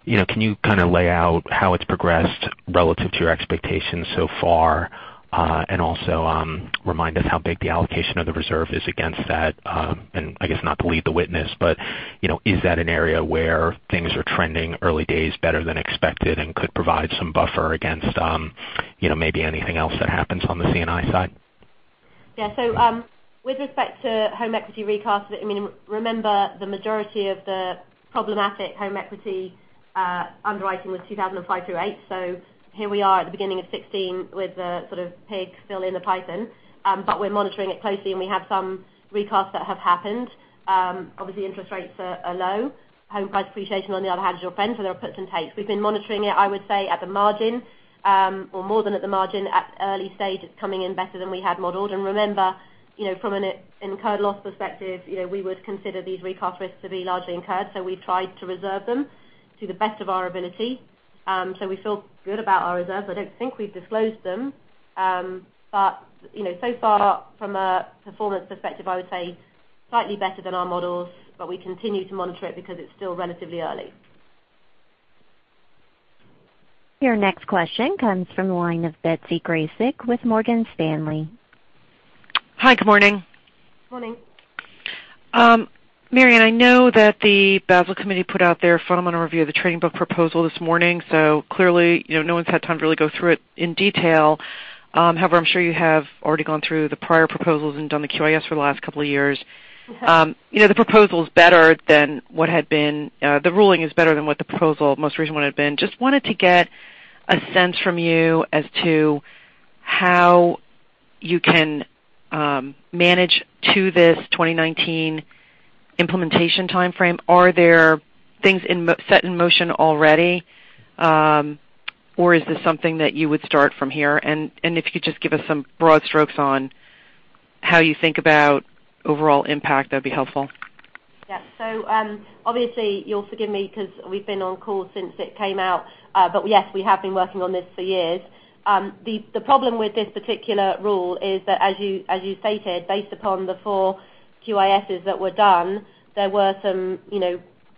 Can you kind of lay out how it's progressed relative to your expectations so far? Remind us how big the allocation of the reserve is against that. I guess not to lead the witness, but is that an area where things are trending early days better than expected and could provide some buffer against maybe anything else that happens on the C&I side?
Yeah. With respect to home equity recast, remember the majority of the problematic home equity underwriting was 2005 through 2008. Here we are at the beginning of 2016 with the sort of pig still in the python. We're monitoring it closely, and we have some recasts that have happened. Obviously, interest rates are low. Home price appreciation, on the other hand, is your friend, so there are puts and takes. We've been monitoring it, I would say at the margin, or more than at the margin. At the early stage, it's coming in better than we had modeled. Remember, from an incurred loss perspective, we would consider these recast risks to be largely incurred. We've tried to reserve them to the best of our ability. We feel good about our reserves. I don't think we've disclosed them. So far from a performance perspective, I would say slightly better than our models, but we continue to monitor it because it's still relatively early.
Your next question comes from the line of Betsy Graseck with Morgan Stanley.
Hi, good morning.
Morning.
Marianne, I know that the Basel Committee put out their fundamental review of the trading book proposal this morning. Clearly, no one's had time to really go through it in detail. However, I'm sure you have already gone through the prior proposals and done the QIS for the last couple of years. The ruling is better than what the most recent one had been. Just wanted to get a sense from you as to how you can manage to this 2019 implementation timeframe. Are there things set in motion already? Or is this something that you would start from here? If you could just give us some broad strokes on how you think about overall impact, that'd be helpful.
Yeah. Obviously you'll forgive me because we've been on call since it came out. Yes, we have been working on this for years. The problem with this particular rule is that as you stated, based upon the four QISs that were done, there were some,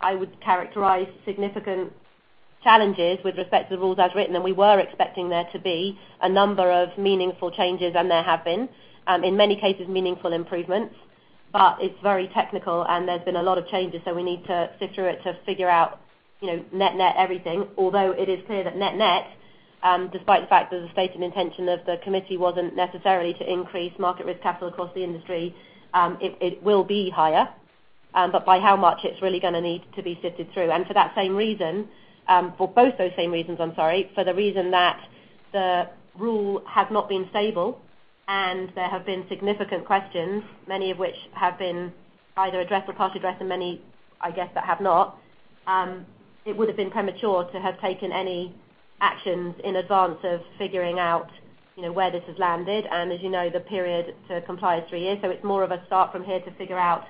I would characterize significant challenges with respect to the rules as written, We were expecting there to be a number of meaningful changes, There have been. In many cases, meaningful improvements, but it's very technical and there's been a lot of changes, We need to sift through it to figure out net net everything. It is clear that net net, despite the fact that the stated intention of the committee wasn't necessarily to increase market risk capital across the industry, it will be higher. By how much, it's really going to need to be sifted through. For both those same reasons, for the reason that the rule has not been stable and there have been significant questions, many of which have been either addressed or part addressed and many, I guess, that have not, it would have been premature to have taken any actions in advance of figuring out where this has landed. As you know, the period to comply is three years. It's more of a start from here to figure out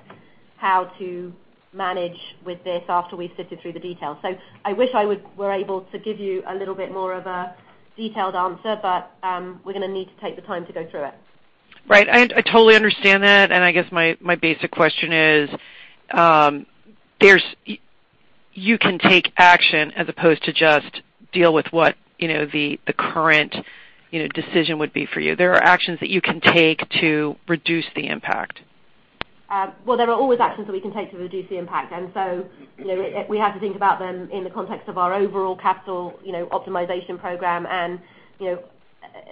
how to manage with this after we've sifted through the details. I wish I were able to give you a little bit more of a detailed answer, We're going to need to take the time to go through it.
Right. I totally understand that. I guess my basic question is, you can take action as opposed to just deal with what the current decision would be for you. There are actions that you can take to reduce the impact.
Well, there are always actions that we can take to reduce the impact. We have to think about them in the context of our overall capital optimization program.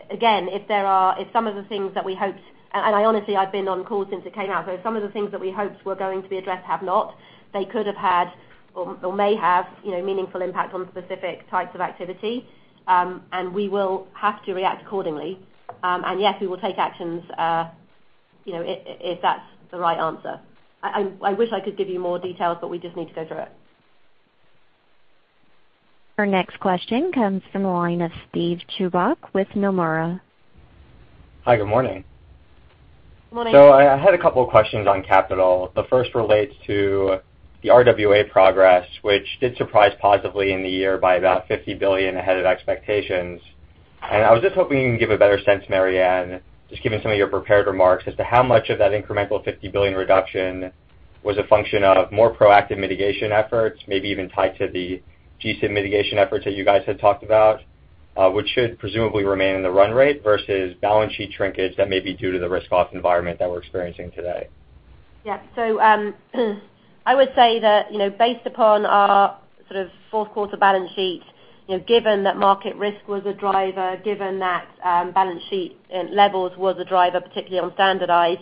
Again, if some of the things that we hoped, and honestly, I've been on calls since it came out, some of the things that we hoped were going to be addressed have not. They could have had or may have meaningful impact on specific types of activity. We will have to react accordingly. Yes, we will take actions if that's the right answer. I wish I could give you more details, but we just need to go through it.
Our next question comes from the line of Steven Chubak with Nomura.
Hi, good morning.
Morning.
I had a couple questions on capital. The first relates to the RWA progress, which did surprise positively in the year by about $50 billion ahead of expectations. I was just hoping you can give a better sense, Marianne, just given some of your prepared remarks, as to how much of that incremental $50 billion reduction was a function of more proactive mitigation efforts, maybe even tied to the G-SIB mitigation efforts that you guys had talked about, which should presumably remain in the run rate, versus balance sheet shrinkage that may be due to the risk-off environment that we're experiencing today.
Yeah. I would say that based upon our fourth quarter balance sheet, given that market risk was a driver, given that balance sheet levels was a driver, particularly on standardized,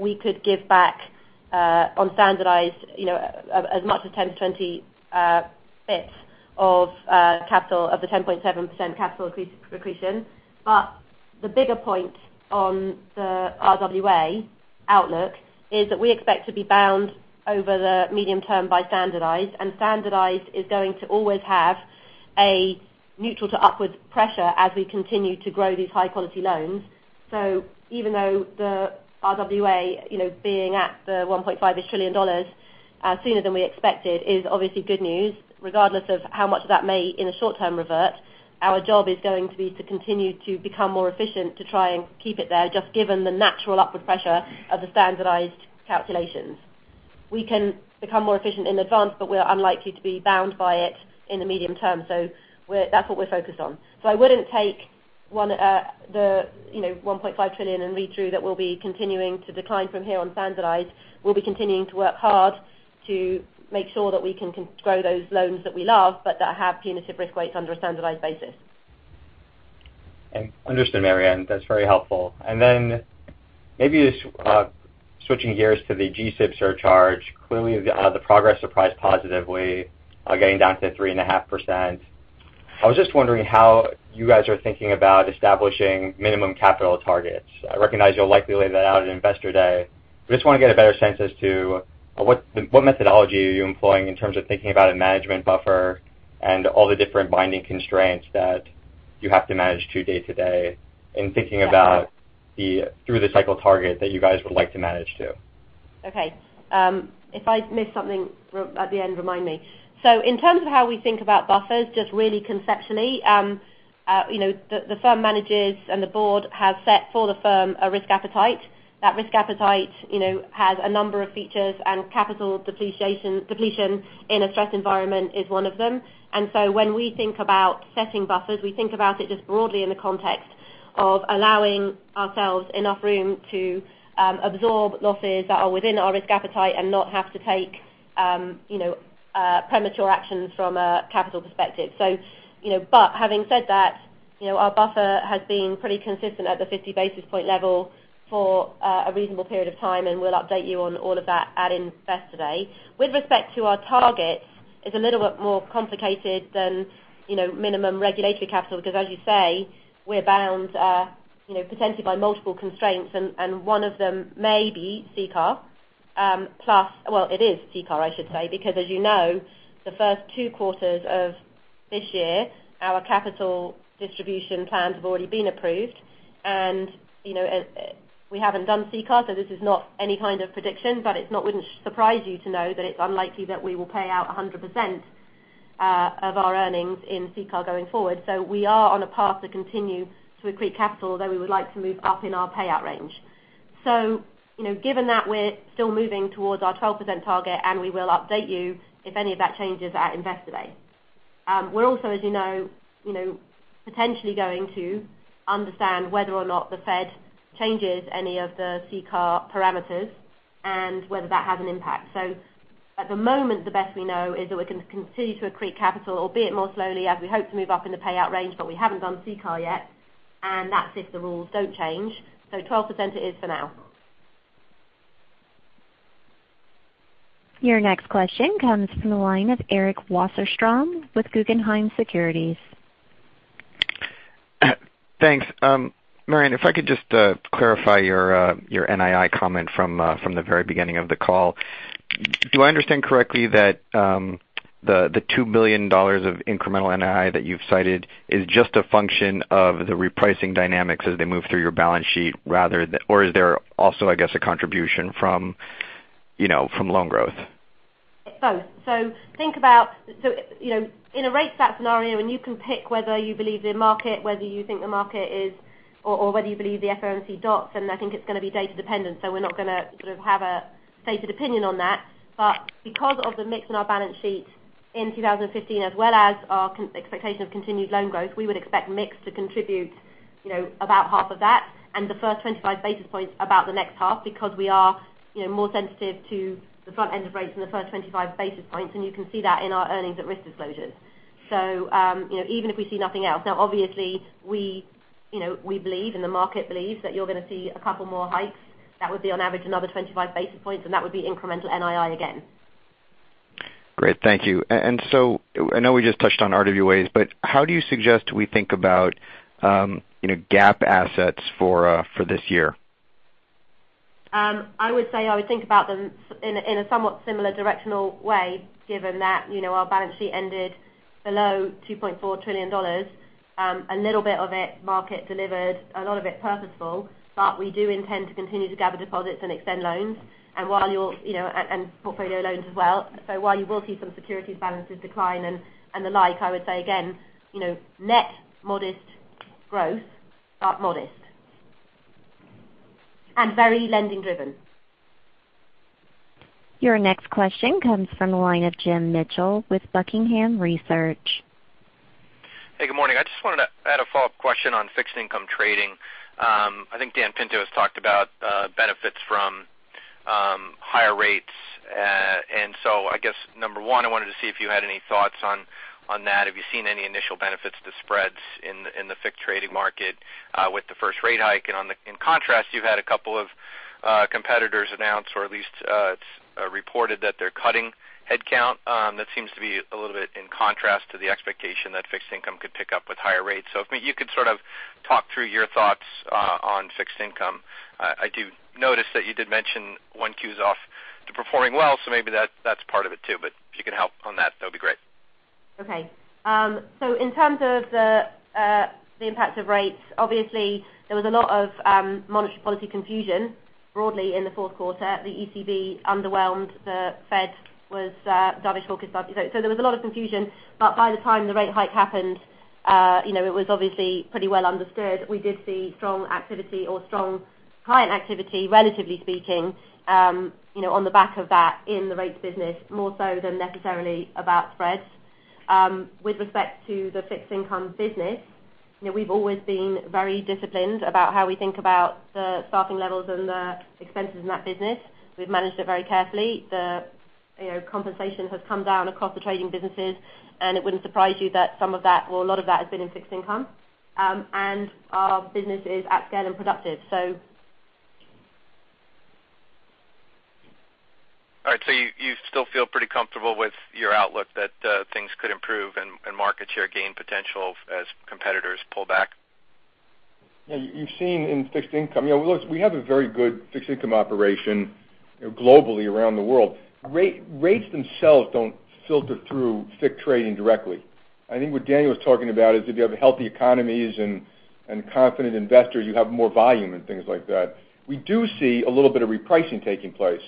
we could give back on standardized as much as 10 to 20 basis points of the 10.7% capital accretion. The bigger point on the RWA outlook is that we expect to be bound over the medium term by standardized, and standardized is going to always have a neutral to upward pressure as we continue to grow these high-quality loans. Even though the RWA, being at the $1.5 trillion sooner than we expected is obviously good news, regardless of how much of that may, in the short term, revert, our job is going to be to continue to become more efficient to try and keep it there, just given the natural upward pressure of the standardized calculations. We can become more efficient in advance, we're unlikely to be bound by it in the medium term. That's what we're focused on. I wouldn't take the $1.5 trillion and read through that we'll be continuing to decline from here on standardized. We'll be continuing to work hard to make sure that we can grow those loans that we love, but that have punitive risk weights under a standardized basis.
Understood, Marianne. That's very helpful. Maybe switching gears to the GSIB surcharge. Clearly, the progress surprised positively, getting down to 3.5%. I was just wondering how you guys are thinking about establishing minimum capital targets. I recognize you'll likely lay that out at Investor Day, I just want to get a better sense as to what methodology are you employing in terms of thinking about a management buffer and all the different binding constraints that you have to manage through day to day, and thinking about through the cycle target that you guys would like to manage to.
Okay. If I miss something at the end, remind me. In terms of how we think about buffers, just really conceptually, the firm managers and the board have set for the firm a risk appetite. That risk appetite has a number of features, and capital depletion in a stress environment is one of them. When we think about setting buffers, we think about it just broadly in the context of allowing ourselves enough room to absorb losses that are within our risk appetite and not have to take premature actions from a capital perspective. Having said that, our buffer has been pretty consistent at the 50 basis point level for a reasonable period of time, and we'll update you on all of that at Investor Day. With respect to our targets, it's a little bit more complicated than minimum regulatory capital, because as you say, we're bound potentially by multiple constraints, and one of them may be CCAR. Well, it is CCAR, I should say, because as you know, the first two quarters of this year, our capital distribution plans have already been approved. We haven't done CCAR, so this is not any kind of prediction, but it wouldn't surprise you to know that it's unlikely that we will pay out 100% of our earnings in CCAR going forward. We are on a path to continue to accrete capital, although we would like to move up in our payout range. Given that we're still moving towards our 12% target, and we will update you if any of that changes at Investor Day. We're also, as you know, potentially going to understand whether or not the Fed changes any of the CCAR parameters and whether that has an impact. At the moment, the best we know is that we're going to continue to accrete capital, albeit more slowly as we hope to move up in the payout range. We haven't done CCAR yet, and that's if the rules don't change. 12% it is for now.
Your next question comes from the line of Eric Wasserstrom with Guggenheim Securities.
Thanks. Marianne, if I could just clarify your NII comment from the very beginning of the call. Do I understand correctly that the $2 billion of incremental NII that you've cited is just a function of the repricing dynamics as they move through your balance sheet, or is there also, I guess, a contribution from loan growth?
Both. Think about in a rate stat scenario, when you can pick whether you believe the market, whether you think the market is Or whether you believe the FOMC dots. I think it's going to be data dependent, so we're not going to have a stated opinion on that. Because of the mix in our balance sheet in 2015, as well as our expectation of continued loan growth, we would expect mix to contribute about half of that and the first 25 basis points about the next half, because we are more sensitive to the front end of rates in the first 25 basis points, and you can see that in our earnings at risk disclosures. Even if we see nothing else. Now, obviously, we believe and the market believes that you're going to see a couple more hikes. That would be on average another 25 basis points. That would be incremental NII again.
Great. Thank you. I know we just touched on RWAs, how do you suggest we think about GAAP assets for this year?
I would say I would think about them in a somewhat similar directional way, given that our balance sheet ended below $2.4 trillion. A little bit of it market delivered, a lot of it purposeful. We do intend to continue to gather deposits and extend loans, and portfolio loans as well. While you will see some securities balances decline and the like, I would say again, net modest growth, but modest. Very lending driven.
Your next question comes from the line of Jim Mitchell with Buckingham Research.
Hey, good morning. I just wanted to add a follow-up question on fixed income trading. I think Daniel Pinto has talked about benefits from higher rates. I guess number 1, I wanted to see if you had any thoughts on that. Have you seen any initial benefits to spreads in the fixed trading market with the first rate hike? In contrast, you've had a couple of competitors announce, or at least it's reported that they're cutting headcount. That seems to be a little bit in contrast to the expectation that fixed income could pick up with higher rates. If you could sort of talk through your thoughts on fixed income. I do notice that you did mention 1Q is off to performing well, maybe that's part of it too, but if you could help on that would be great.
Okay. In terms of the impact of rates, obviously there was a lot of monetary policy confusion broadly in the fourth quarter. The ECB underwhelmed. The Fed was dovish, hawkish. There was a lot of confusion. By the time the rate hike happened, it was obviously pretty well understood. We did see strong activity or strong client activity, relatively speaking on the back of that in the rates business, more so than necessarily about spreads. With respect to the fixed income business, we've always been very disciplined about how we think about the staffing levels and the expenses in that business. We've managed it very carefully. The compensation has come down across the trading businesses, and it wouldn't surprise you that some of that or a lot of that has been in fixed income. Our business is at scale and productive.
All right, you still feel pretty comfortable with your outlook that things could improve and market share gain potential as competitors pull back?
Yeah, you've seen in fixed income. We have a very good fixed income operation globally around the world. Rates themselves don't filter through fixed trading directly. I think what Daniel is talking about is if you have healthy economies and confident investors, you have more volume and things like that. We do see a little bit of repricing taking place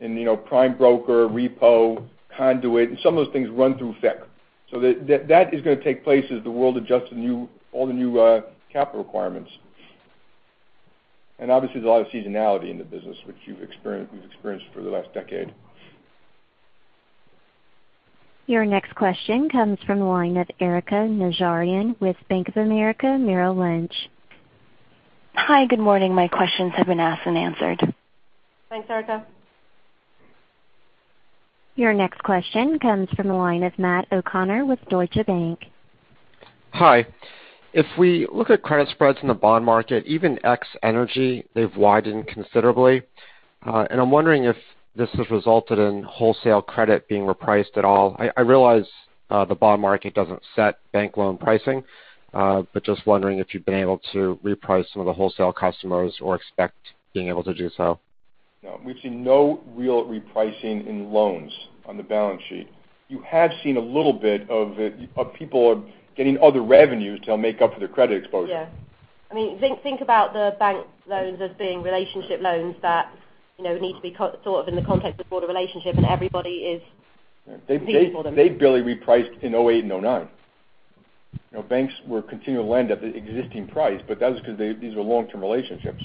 in prime broker, repo, conduit, and some of those things run through FICC. That is going to take place as the world adjusts to all the new capital requirements. Obviously, there's a lot of seasonality in the business, which we've experienced for the last decade.
Your next question comes from the line of Erika Najarian with Bank of America Merrill Lynch.
Hi, good morning. My questions have been asked and answered.
Thanks, Erika.
Your next question comes from the line of Matt O'Connor with Deutsche Bank.
Hi. If we look at credit spreads in the bond market, even ex energy, they've widened considerably. I'm wondering if this has resulted in wholesale credit being repriced at all. I realize the bond market doesn't set bank loan pricing. Just wondering if you've been able to reprice some of the wholesale customers or expect being able to do so.
No, we've seen no real repricing in loans on the balance sheet. You have seen a little bit of people getting other revenues to help make up for their credit exposure.
Yeah. I mean think about the bank loans as being relationship loans that need to be thought of in the context of broader relationship, everybody is competing for them.
They barely repriced in 2008 and 2009. Banks will continue to lend at the existing price. That is because these are long-term relationships.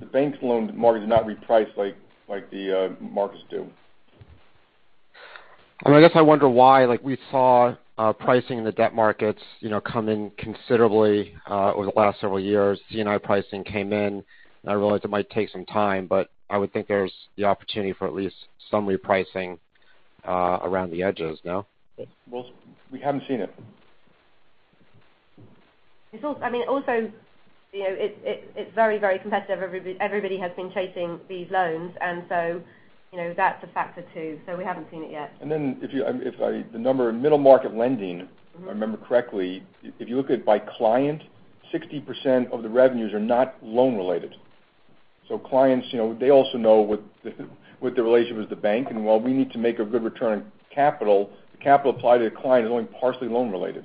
The bank loan market does not reprice like the markets do.
I guess I wonder why. We saw pricing in the debt markets come in considerably over the last several years. C&I pricing came in. I realize it might take some time, I would think there's the opportunity for at least some repricing around the edges, no?
Well, we haven't seen it.
Also, it's very competitive. Everybody has been chasing these loans. That's a factor too. We haven't seen it yet.
The number in middle market lending, if I remember correctly, if you look at it by client, 60% of the revenues are not loan related. Clients, they also know what the relationship is with the bank. While we need to make a good return on capital, the capital applied to the client is only partially loan related.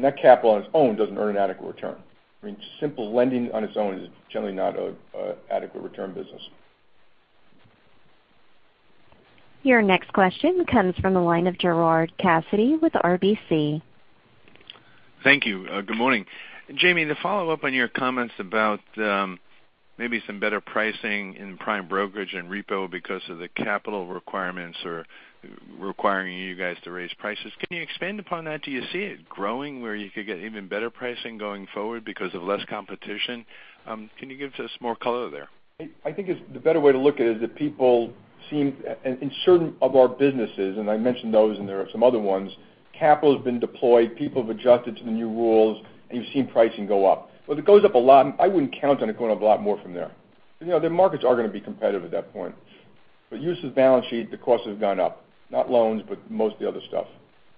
That capital on its own doesn't earn an adequate return. Simple lending on its own is generally not an adequate return business.
Your next question comes from the line of Gerard Cassidy with RBC.
Thank you. Good morning. Jamie, to follow up on your comments about maybe some better pricing in prime brokerage and repo because of the capital requirements or requiring you guys to raise prices, can you expand upon that? Do you see it growing where you could get even better pricing going forward because of less competition? Can you give us more color there?
I think the better way to look at it is that people seem, in certain of our businesses, and I mentioned those, and there are some other ones, capital has been deployed, people have adjusted to the new rules, and you've seen pricing go up. If it goes up a lot, I wouldn't count on it going up a lot more from there. The markets are going to be competitive at that point. Use of balance sheet, the cost has gone up. Not loans, but most of the other stuff.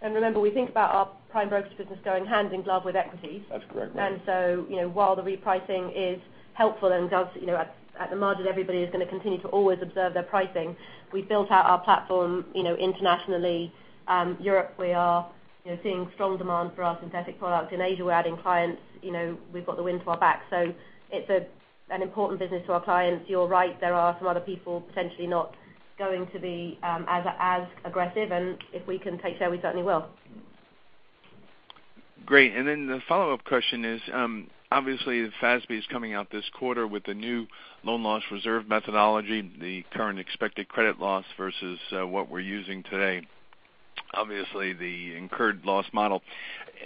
Remember, we think about our prime brokerage business going hand in glove with equities.
That's correct.
While the repricing is helpful and does, at the margin, everybody is going to continue to always observe their pricing. We've built out our platform internationally. Europe, we are seeing strong demand for our synthetic products. In Asia, we're adding clients. We've got the wind to our back. It's an important business to our clients. You're right, there are some other people potentially not going to be as aggressive, and if we can take share, we certainly will.
Great. The follow-up question is, obviously, FASB is coming out this quarter with the new loan loss reserve methodology, the current expected credit loss versus what we're using today. Obviously, the incurred loss model.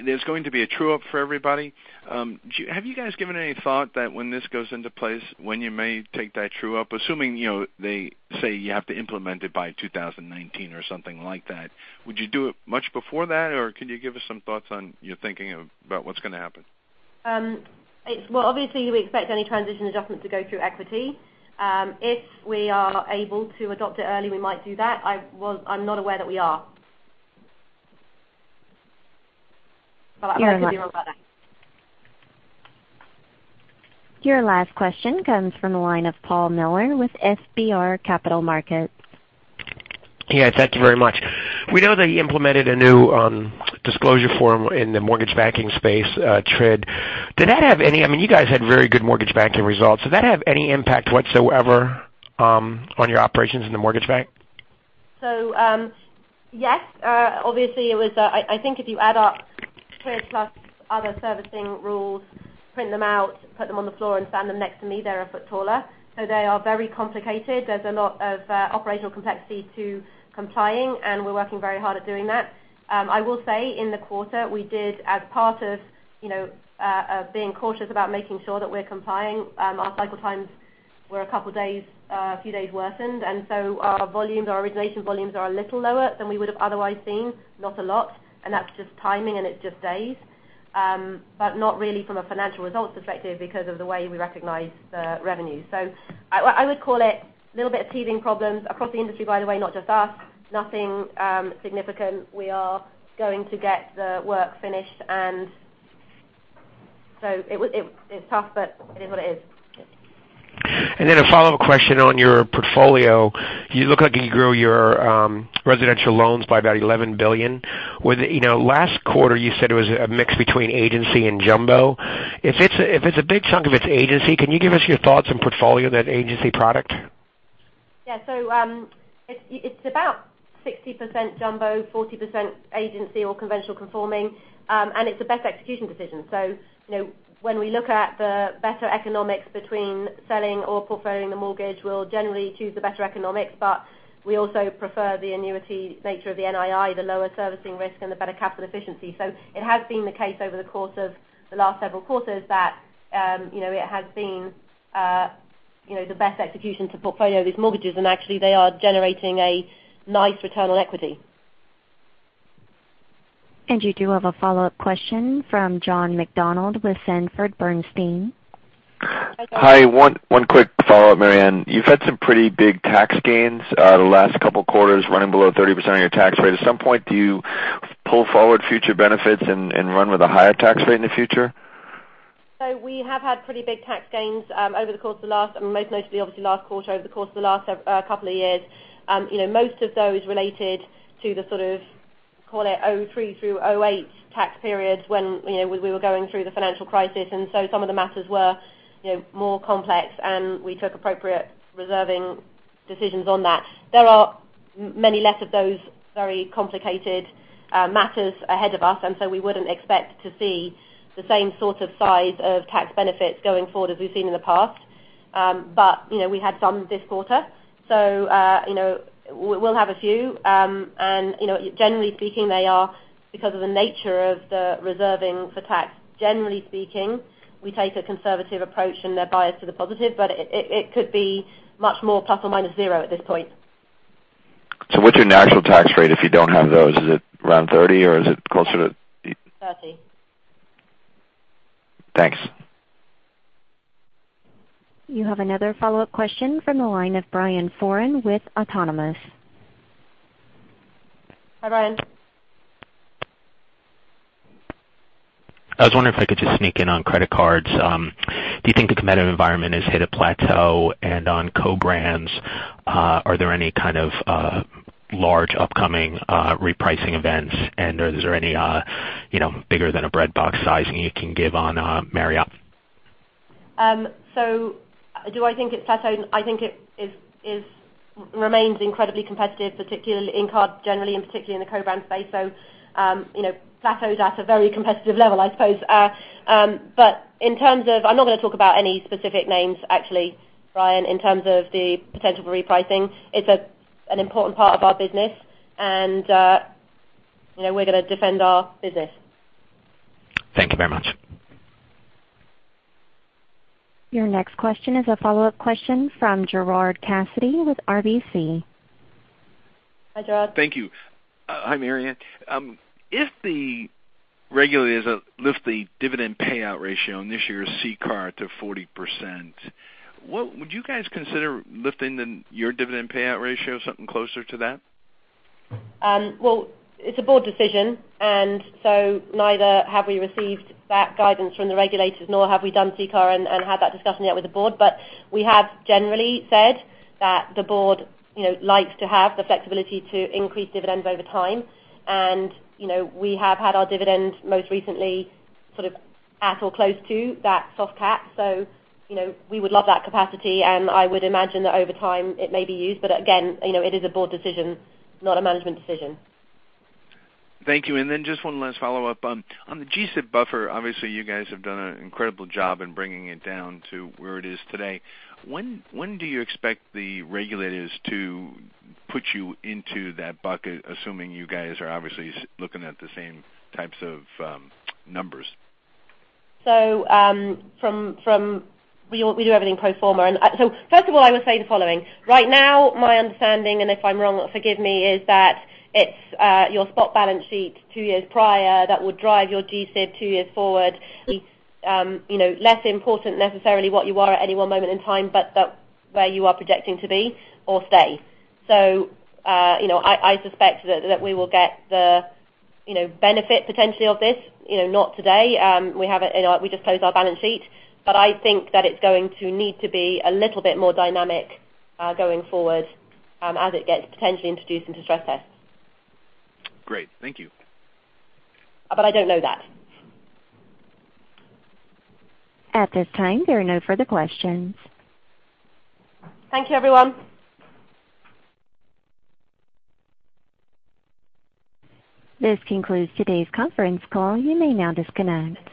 There's going to be a true-up for everybody. Have you guys given any thought that when this goes into place, when you may take that true-up, assuming they say you have to implement it by 2019 or something like that, would you do it much before that? Can you give us some thoughts on your thinking about what's going to happen?
Obviously, we expect any transition adjustment to go through equity. If we are able to adopt it early, we might do that. I'm not aware that we are. I'm happy to be wrong about that.
Your last question comes from the line of Paul Miller with FBR Capital Markets.
Thank you very much. We know that you implemented a new disclosure form in the mortgage banking space, TRID. You guys had very good mortgage banking results. Did that have any impact whatsoever on your operations in the mortgage bank?
Yes. I think if you add up TRID plus other servicing rules, print them out, put them on the floor, and stand them next to me, they're a foot taller. They are very complicated. There's a lot of operational complexity to complying, and we're working very hard at doing that. I will say in the quarter, we did, as part of being cautious about making sure that we're complying, our cycle times were a couple of days, a few days worsened. Our volumes, our origination volumes are a little lower than we would have otherwise seen, not a lot. That's just timing, and it's just days. Not really from a financial results perspective because of the way we recognize the revenue. I would call it a little bit of teething problems across the industry, by the way, not just us. Nothing significant. We are going to get the work finished. It was tough, but it is what it is.
A follow-up question on your portfolio. You look like you grew your residential loans by about $11 billion. Last quarter, you said it was a mix between agency and jumbo. If it's a big chunk of its agency, can you give us your thoughts on portfolio on that agency product?
Yeah. It's about 60% jumbo, 40% agency or conventional conforming. It's a best execution decision. When we look at the better economics between selling or portfolio the mortgage, we'll generally choose the better economics, but we also prefer the annuity nature of the NII, the lower servicing risk, and the better capital efficiency. It has been the case over the course of the last several quarters that it has been the best execution to portfolio these mortgages, and actually they are generating a nice return on equity.
You do have a follow-up question from John McDonald with Sanford Bernstein.
Hi. One quick follow-up, Marianne. You've had some pretty big tax gains the last couple of quarters running below 30% of your tax rate. At some point, do you pull forward future benefits and run with a higher tax rate in the future?
We have had pretty big tax gains over the course of the last, most notably, obviously, last quarter, over the course of the last couple of years. Most of those related to the sort of, call it 2003 through 2008 tax periods when we were going through the financial crisis. Some of the matters were more complex, and we took appropriate reserving decisions on that. There are many less of those very complicated matters ahead of us, we wouldn't expect to see the same sort of size of tax benefits going forward as we've seen in the past. We had some this quarter, so we'll have a few. Generally speaking, they are, because of the nature of the reserving for tax, generally speaking, we take a conservative approach, and they're biased to the positive. It could be much more ±0 at this point.
What's your natural tax rate if you don't have those? Is it around 30%?
30.
Thanks.
You have another follow-up question from the line of Brian Foran with Autonomous.
Hi, Brian.
I was wondering if I could just sneak in on credit cards. Do you think the competitive environment has hit a plateau? On co-brands, are there any kind of large upcoming repricing events? Is there any bigger-than-a-breadbox sizing you can give on Marriott?
Do I think it's plateaued? I think it remains incredibly competitive, particularly in cards generally and particularly in the co-brand space. Plateaued at a very competitive level, I suppose. I'm not going to talk about any specific names, actually, Brian, in terms of the potential for repricing. It's an important part of our business, and we're going to defend our business.
Thank you very much.
Your next question is a follow-up question from Gerard Cassidy with RBC.
Hi, Gerard.
Thank you. Hi, Marianne. If the regulators lift the dividend payout ratio on this year's CCAR to 40%, would you guys consider lifting your dividend payout ratio something closer to that?
Well, it's a board decision, neither have we received that guidance from the regulators, nor have we done CCAR and had that discussion yet with the board. We have generally said that the board likes to have the flexibility to increase dividends over time. We have had our dividend most recently sort of at or close to that soft cap. We would love that capacity, I would imagine that over time it may be used. Again, it is a board decision, not a management decision.
Thank you. Just one last follow-up. On the GSIB buffer, obviously you guys have done an incredible job in bringing it down to where it is today. When do you expect the regulators to put you into that bucket, assuming you guys are obviously looking at the same types of numbers?
We do everything pro forma. First of all, I would say the following. Right now, my understanding, and if I'm wrong, forgive me, is that it's your spot balance sheet two years prior that would drive your GSIB two years forward. Less important necessarily what you are at any one moment in time, but where you are projecting to be or stay. I suspect that we will get the benefit potentially of this, not today. We just closed our balance sheet. I think that it's going to need to be a little bit more dynamic, going forward, as it gets potentially introduced into stress tests.
Great. Thank you.
I don't know that.
At this time, there are no further questions.
Thank you, everyone.
This concludes today's conference call. You may now disconnect.